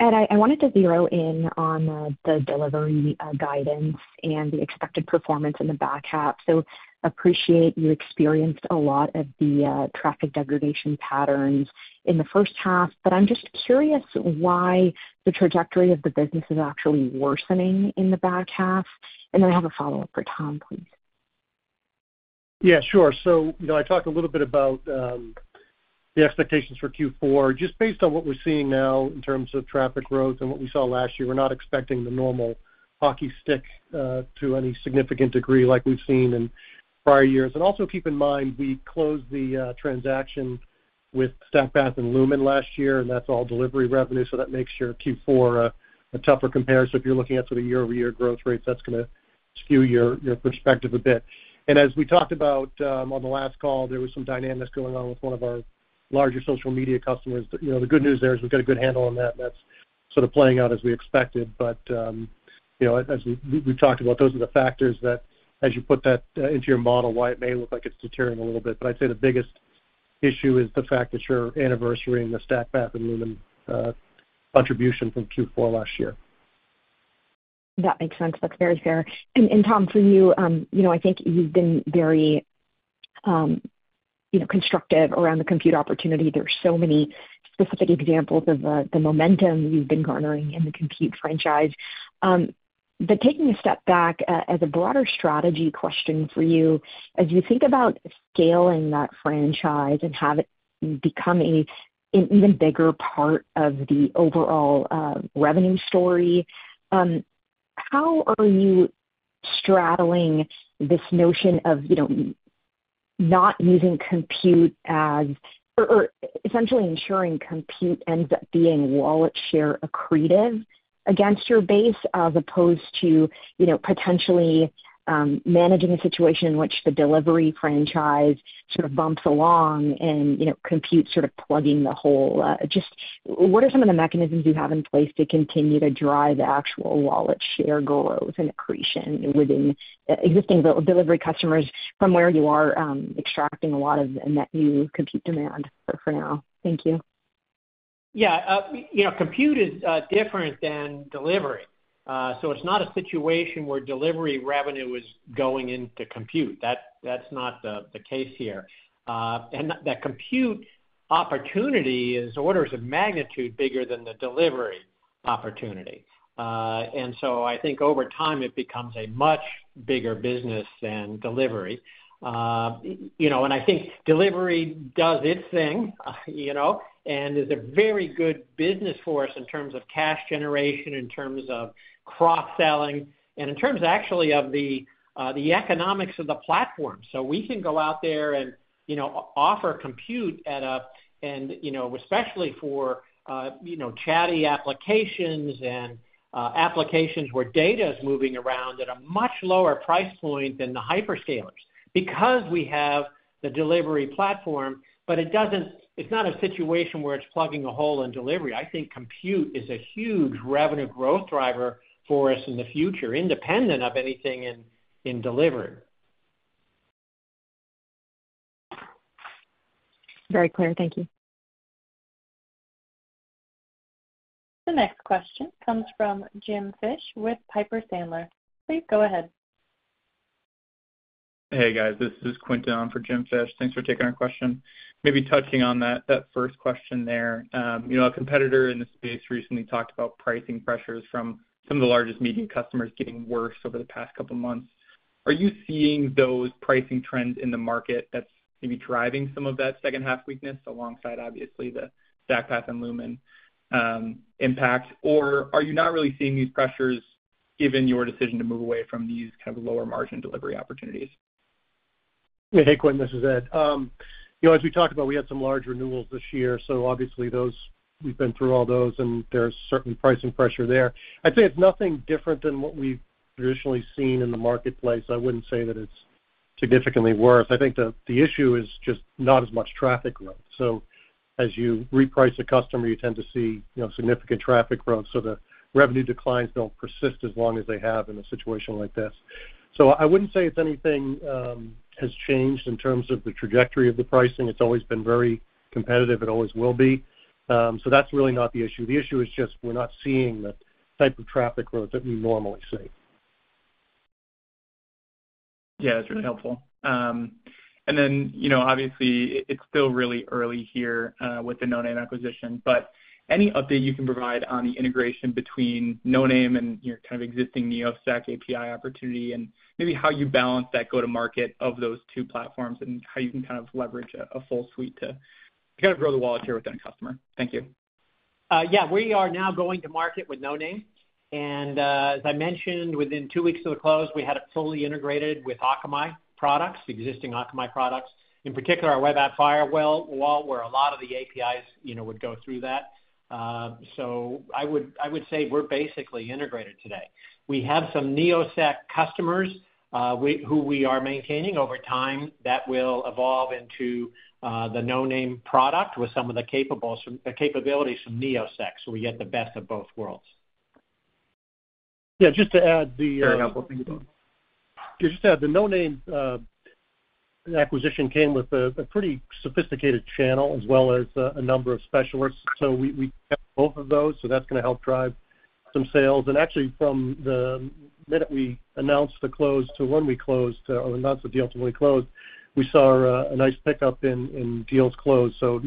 Ed, I wanted to zero in on the delivery guidance and the expected performance in the back half. So appreciate you experienced a lot of the traffic degradation patterns in the first half, but I'm just curious why the trajectory of the business is actually worsening in the back half. And then I have a follow-up for Tom, please. Yeah, sure. So, you know, I talked a little bit about the expectations for Q4. Just based on what we're seeing now in terms of traffic growth and what we saw last year, we're not expecting the normal hockey stick to any significant degree like we've seen in prior years. And also, keep in mind, we closed the transaction with StackPath and Lumen last year, and that's all delivery revenue, so that makes your Q4 a tougher comparison. If you're looking at sort of year-over-year growth rates, that's gonna skew your perspective a bit. And as we talked about on the last call, there was some dynamics going on with one of our larger social media customers. But, you know, the good news there is we've got a good handle on that, and that's sort of playing out as we expected. But, you know, as we've talked about, those are the factors that as you put that into your model, why it may look like it's deteriorating a little bit. But I'd say the biggest issue is the fact that you're anniversarying the StackPath and Lumen contribution from Q4 last year. That makes sense. That's very fair. And Tom, for you, you know, I think you've been very, you know, constructive around the compute opportunity. There are so many specific examples of the momentum you've been garnering in the compute franchise. But taking a step back, as a broader strategy question for you, as you think about scaling that franchise and have it become a, an even bigger part of the overall revenue story, how are you straddling this notion of, you know, not using compute or essentially ensuring compute ends up being wallet share accretive against your base, as opposed to, you know, potentially managing a situation in which the delivery franchise sort of bumps along and, you know, compute sort of plugging the hole? Just what are some of the mechanisms you have in place to continue to drive actual wallet share growth and accretion within existing delivery customers from where you are extracting a lot of net new compute demand for now? Thank you. Yeah, you know, compute is different than delivery. So it's not a situation where delivery revenue is going into compute. That's not the case here. And that compute opportunity is orders of magnitude bigger than the delivery opportunity. And so I think over time, it becomes a much bigger business than delivery. You know, and I think delivery does its thing, you know, and is a very good business for us in terms of cash generation, in terms of cross-selling, and in terms, actually, of the economics of the platform. So we can go out there and, you know, offer compute at a... You know, especially for, you know, chatty applications and, applications where data is moving around at a much lower price point than the hyperscalers because we have the delivery platform, but it doesn't. It's not a situation where it's plugging a hole in delivery. I think compute is a huge revenue growth driver for us in the future, independent of anything in delivery. Very clear. Thank you. The next question comes from Jim Fish with Piper Sandler. Please go ahead. Hey, guys, this is Quentin on for Jim Fish. Thanks for taking our question. Maybe touching on that, that first question there. You know, a competitor in the space recently talked about pricing pressures from some of the largest media customers getting worse over the past couple of months. Are you seeing those pricing trends in the market that's maybe driving some of that second half weakness alongside, obviously, the StackPath and Lumen impact? Or are you not really seeing these pressures given your decision to move away from these kind of lower margin delivery opportunities? Hey, Quentin, this is Ed. You know, as we talked about, we had some large renewals this year, so obviously, those, we've been through all those, and there's certain pricing pressure there. I'd say it's nothing different than what we've traditionally seen in the marketplace. I wouldn't say that it's significantly worse. I think the issue is just not as much traffic growth. So as you reprice a customer, you tend to see, you know, significant traffic growth, so the revenue declines don't persist as long as they have in a situation like this. So I wouldn't say if anything has changed in terms of the trajectory of the pricing. It's always been very competitive. It always will be. So that's really not the issue. The issue is just we're not seeing the type of traffic growth that we normally see. Yeah, that's really helpful. And then, you know, obviously, it's still really early here with the Noname acquisition, but any update you can provide on the integration between Noname and your kind of existing Neosec API opportunity, and maybe how you balance that go-to-market of those two platforms, and how you can kind of leverage a full suite to kind of grow the wallet share within a customer? Thank you. Yeah, we are now going to market with Noname. And, as I mentioned, within 2 weeks of the close, we had it fully integrated with Akamai products, existing Akamai products, in particular, our web app firewall, where a lot of the APIs, you know, would go through that. So I would, I would say we're basically integrated today. We have some Neosec customers, we, who we are maintaining over time that will evolve into the Noname product with some of the capabilities from Neosec, so we get the best of both worlds. Yeah, just to add the, Very helpful. Thank you. Just to add, the Noname acquisition came with a pretty sophisticated channel as well as a number of specialists. So we got both of those, so that's gonna help drive some sales. And actually, from the minute we announced the close to when we closed, or announced the deal to when we closed, we saw a nice pickup in deals closed. So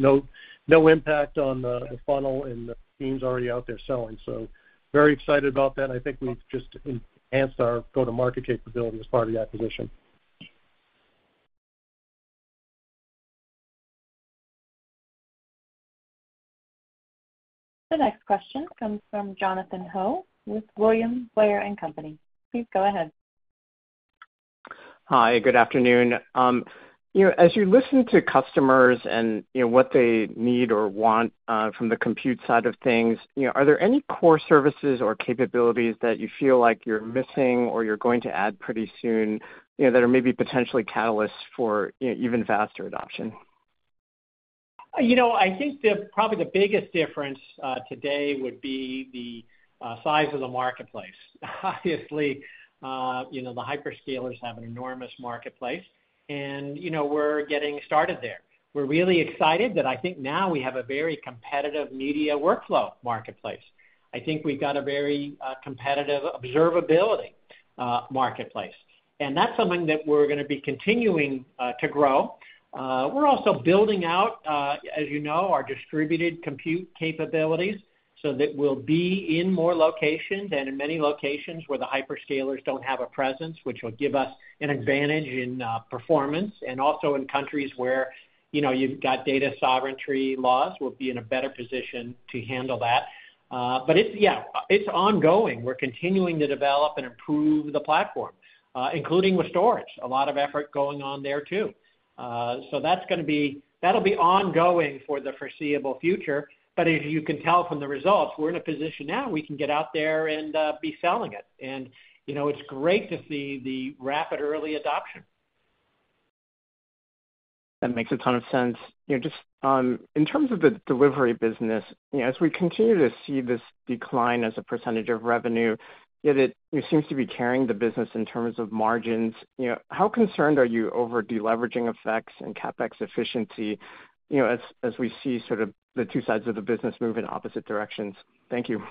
no impact on the funnel, and the team's already out there selling. So very excited about that. I think we've just enhanced our go-to-market capability as part of the acquisition. The next question comes from Jonathan Ho with William Blair & Company. Please go ahead. Hi, good afternoon. You know, as you listen to customers and, you know, what they need or want, from the compute side of things, you know, are there any core services or capabilities that you feel like you're missing or you're going to add pretty soon, you know, that are maybe potentially catalysts for, you know, even faster adoption? You know, I think the probably the biggest difference today would be the size of the marketplace. Obviously, you know, the hyperscalers have an enormous marketplace, and, you know, we're getting started there. We're really excited that I think now we have a very competitive media workflow marketplace. I think we've got a very competitive observability marketplace, and that's something that we're gonna be continuing to grow. We're also building out, as you know, our distributed compute capabilities, so that we'll be in more locations and in many locations where the hyperscalers don't have a presence, which will give us an advantage in performance. And also in countries where, you know, you've got data sovereignty laws, we'll be in a better position to handle that. But yeah, it's ongoing. We're continuing to develop and improve the platform, including with storage. A lot of effort going on there, too. So that's gonna be... That'll be ongoing for the foreseeable future, but as you can tell from the results, we're in a position now we can get out there and be selling it. You know, it's great to see the rapid early adoption. That makes a ton of sense. You know, just, in terms of the delivery business, you know, as we continue to see this decline as a percentage of revenue, yet it, it seems to be carrying the business in terms of margins, you know, how concerned are you over deleveraging effects and CapEx efficiency, you know, as, as we see sort of the two sides of the business move in opposite directions? Thank you.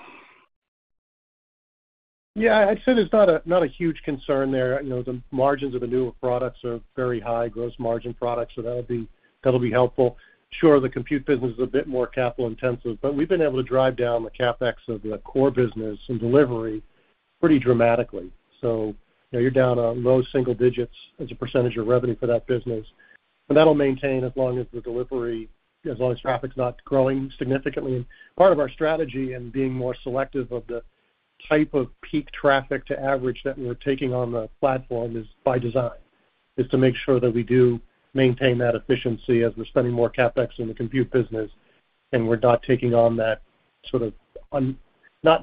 Yeah, I'd say there's not a, not a huge concern there. You know, the margins of the newer products are very high gross margin products, so that'll be, that'll be helpful. Sure, the compute business is a bit more capital intensive, but we've been able to drive down the CapEx of the core business and delivery pretty dramatically. So, you know, you're down to low single digits as a percentage of revenue for that business, and that'll maintain as long as the delivery, as long as traffic's not growing significantly. Part of our strategy in being more selective of the type of peak traffic to average that we're taking on the platform is by design to make sure that we do maintain that efficiency as we're spending more CapEx in the compute business, and we're not taking on that sort of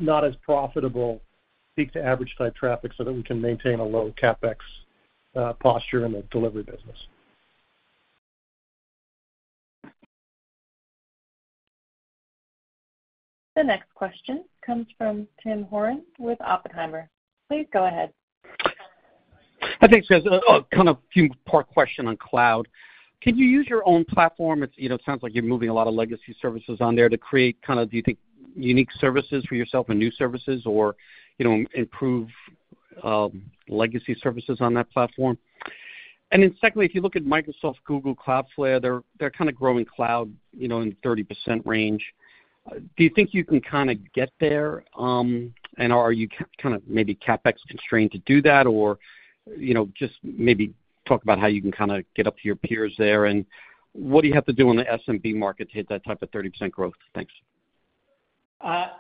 not as profitable peak-to-average-type traffic so that we can maintain a low CapEx posture in the delivery business. The next question comes from Tim Horan with Oppenheimer. Please go ahead. Thanks, guys. Kind of few part question on cloud. Can you use your own platform? It's, you know, sounds like you're moving a lot of legacy services on there to create, kind of, do you think, unique services for yourself and new services or, you know, improve legacy services on that platform? And then secondly, if you look at Microsoft, Google, Cloudflare, they're kind of growing cloud, you know, in the 30% range. Do you think you can kind of get there, and are you kind of maybe CapEx constrained to do that? Or, you know, just maybe talk about how you can kind of get up to your peers there, and what do you have to do on the SMB market to hit that type of 30% growth? Thanks.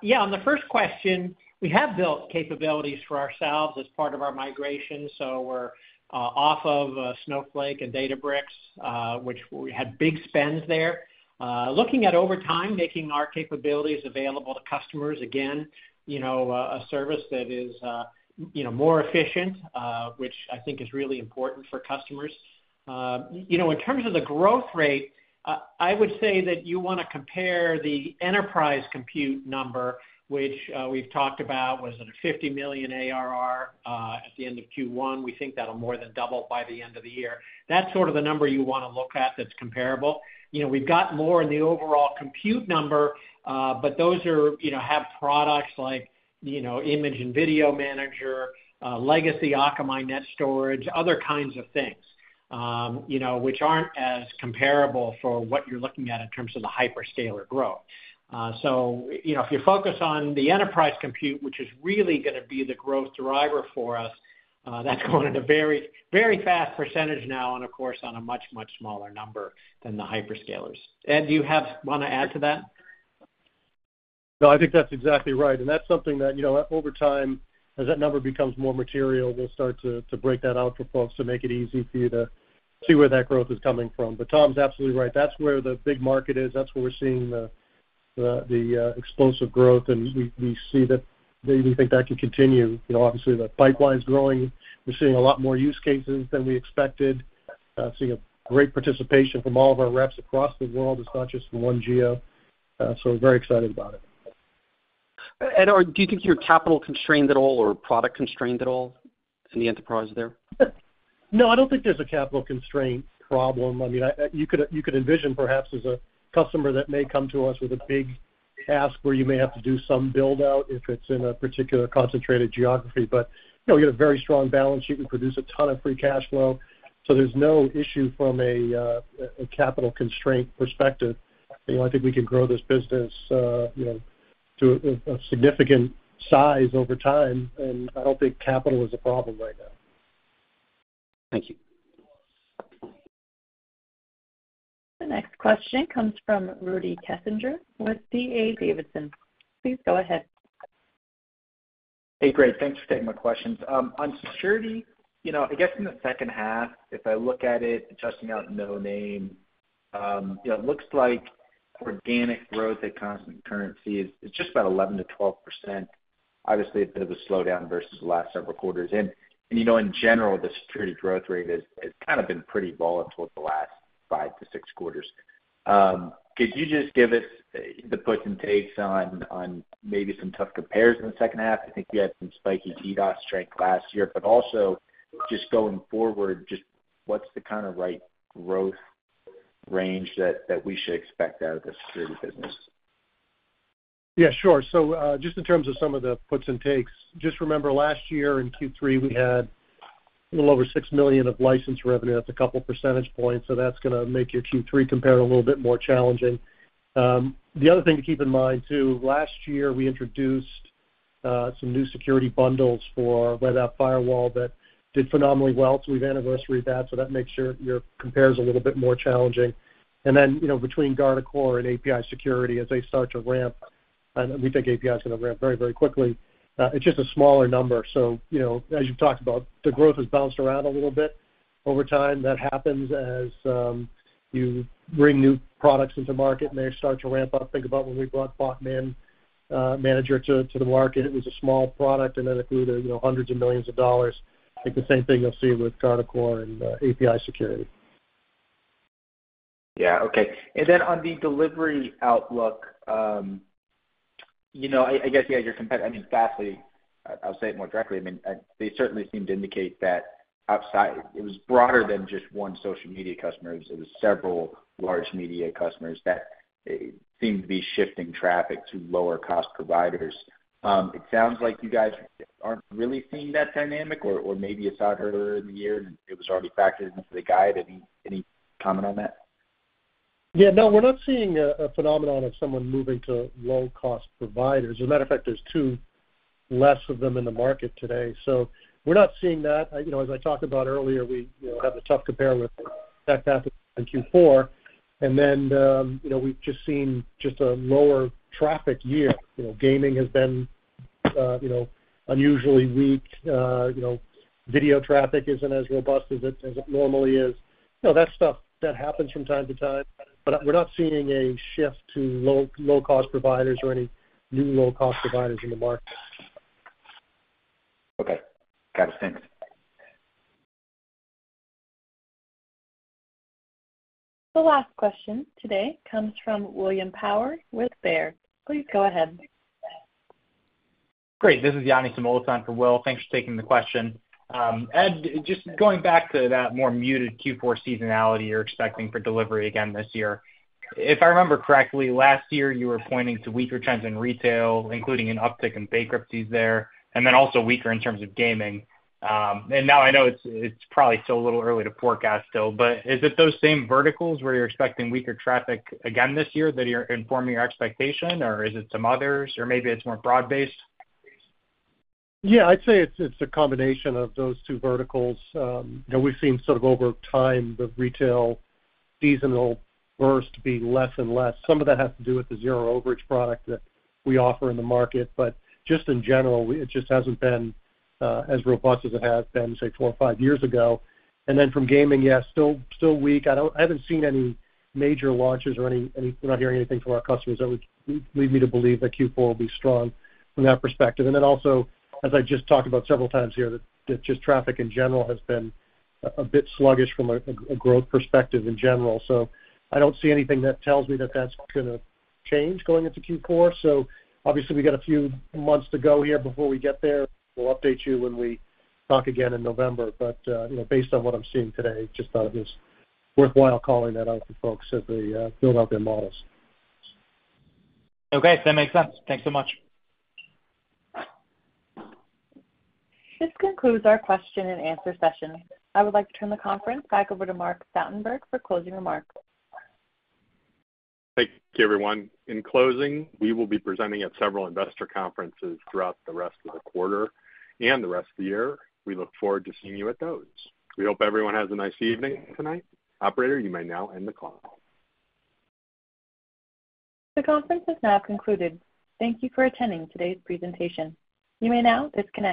Yeah, on the first question, we have built capabilities for ourselves as part of our migration, so we're off of Snowflake and Databricks, which we had big spends there. Looking at over time, making our capabilities available to customers, again, you know, a service that is, you know, more efficient, which I think is really important for customers. You know, in terms of the growth rate, I would say that you wanna compare the enterprise compute number, which we've talked about, was it a $50 million ARR at the end of Q1? We think that'll more than double by the end of the year. That's sort of the number you wanna look at that's comparable. You know, we've got more in the overall compute number, but those are... You know, have products like, you know, Image and Video Manager, legacy Akamai NetStorage, other kinds of things, you know, which aren't as comparable for what you're looking at in terms of the hyperscaler growth. So, you know, if you focus on the enterprise compute, which is really gonna be the growth driver for us, that's growing at a very, very fast percentage now and, of course, on a much, much smaller number than the hyperscalers. Ed, do you wanna add to that? No, I think that's exactly right, and that's something that, you know, over time, as that number becomes more material, we'll start to break that out for folks to make it easy for you to see where that growth is coming from. But Tom's absolutely right. That's where the big market is. That's where we're seeing the explosive growth, and we see that, we think that can continue. You know, obviously, the pipeline's growing. We're seeing a lot more use cases than we expected. Seeing a great participation from all of our reps across the world. It's not just from one geo, so we're very excited about it. Do you think you're capital constrained at all or product constrained at all in the enterprise there? No, I don't think there's a capital constraint problem. I mean, I, you could, you could envision perhaps as a customer that may come to us with a big ask, where you may have to do some build-out if it's in a particular concentrated geography. But, you know, we have a very strong balance sheet. We produce a ton of free cash flow, so there's no issue from a, a capital constraint perspective. You know, I think we can grow this business, you know, to a, a significant size over time, and I don't think capital is a problem right now. Thank you. The next question comes from Rudy Kessinger with D.A. Davidson. Please go ahead. Hey, great. Thanks for taking my questions. On security, you know, I guess in the second half, if I look at it, adjusting out Noname, you know, it looks like organic growth at constant currency is just about 11%-12%. Obviously, a bit of a slowdown versus the last several quarters. And you know, in general, the security growth rate has kind of been pretty volatile at the last 5-6 quarters. Could you just give us the puts and takes on maybe some tough compares in the second half? I think you had some spiky DDoS strength last year, but also just going forward, just what's the kind of like growth range that we should expect out of the security business? Yeah, sure. So, just in terms of some of the puts and takes, just remember last year in Q3, we had a little over $6 million of license revenue. That's a couple percentage points, so that's gonna make your Q3 compare a little bit more challenging. The other thing to keep in mind, too, last year, we introduced some new security bundles for our web app firewall that did phenomenally well, so we've anniversaried that, so that makes your, your compares a little bit more challenging. And then, you know, between Guardicore and API Security, as they start to ramp, and we think API is going to ramp very, very quickly, it's just a smaller number. So, you know, as you've talked about, the growth has bounced around a little bit over time. That happens as you bring new products into market, and they start to ramp up. Think about when we brought Bot Manager to the market. It was a small product, and then it grew to, you know, hundreds of millions of dollars. I think the same thing you'll see with Guardicore and API Security. Yeah. Okay. And then on the delivery outlook, you know, I, I guess, yeah, your compet -- I mean, Fastly, I'll say it more directly. I mean, they certainly seem to indicate that outside it was broader than just one social media customer. It was several large media customers that seemed to be shifting traffic to lower-cost providers. It sounds like you guys aren't really seeing that dynamic, or, or maybe it's out earlier in the year, and it was already factored into the guide. Any, any comment on that? Yeah, no, we're not seeing a phenomenon of someone moving to low-cost providers. As a matter of fact, there's two less of them in the market today, so we're not seeing that. You know, as I talked about earlier, we, you know, have a tough compare with that traffic in Q4. And then, you know, we've just seen a lower traffic year. You know, gaming has been, you know, unusually weak. You know, video traffic isn't as robust as it normally is. You know, that stuff, that happens from time to time, but we're not seeing a shift to low-cost providers or any new low-cost providers in the market. Okay. Got it. Thanks. The last question today comes from Will Power with Baird. Please go ahead. Great. This is Yanni Samoilis for Will. Thanks for taking the question. Ed, just going back to that more muted Q4 seasonality you're expecting for delivery again this year. If I remember correctly, last year, you were pointing to weaker trends in retail, including an uptick in bankruptcies there, and then also weaker in terms of gaming. And now I know it's, it's probably still a little early to forecast still, but is it those same verticals where you're expecting weaker traffic again this year, that are informing your expectation, or is it some others, or maybe it's more broad-based? Yeah, I'd say it's a combination of those two verticals. You know, we've seen sort of over time, the retail seasonal burst being less and less. Some of that has to do with the zero overage product that we offer in the market, but just in general, it just hasn't been as robust as it has been, say, four or five years ago. And then from gaming, yes, still weak. I don't. I haven't seen any major launches or any. We're not hearing anything from our customers that would lead me to believe that Q4 will be strong from that perspective. And then also, as I just talked about several times here, that just traffic in general has been a bit sluggish from a growth perspective in general. So I don't see anything that tells me that that's gonna change going into Q4. So obviously, we got a few months to go here before we get there. We'll update you when we talk again in November. But, you know, based on what I'm seeing today, just thought it was worthwhile calling that out to folks as they build out their models. Okay, that makes sense. Thanks so much. This concludes our question-and-answer session. I would like to turn the conference back over to Mark Stoutenberg for closing remarks. Thank you, everyone. In closing, we will be presenting at several investor conferences throughout the rest of the quarter and the rest of the year. We look forward to seeing you at those. We hope everyone has a nice evening tonight. Operator, you may now end the call. The conference is now concluded. Thank you for attending today's presentation. You may now disconnect.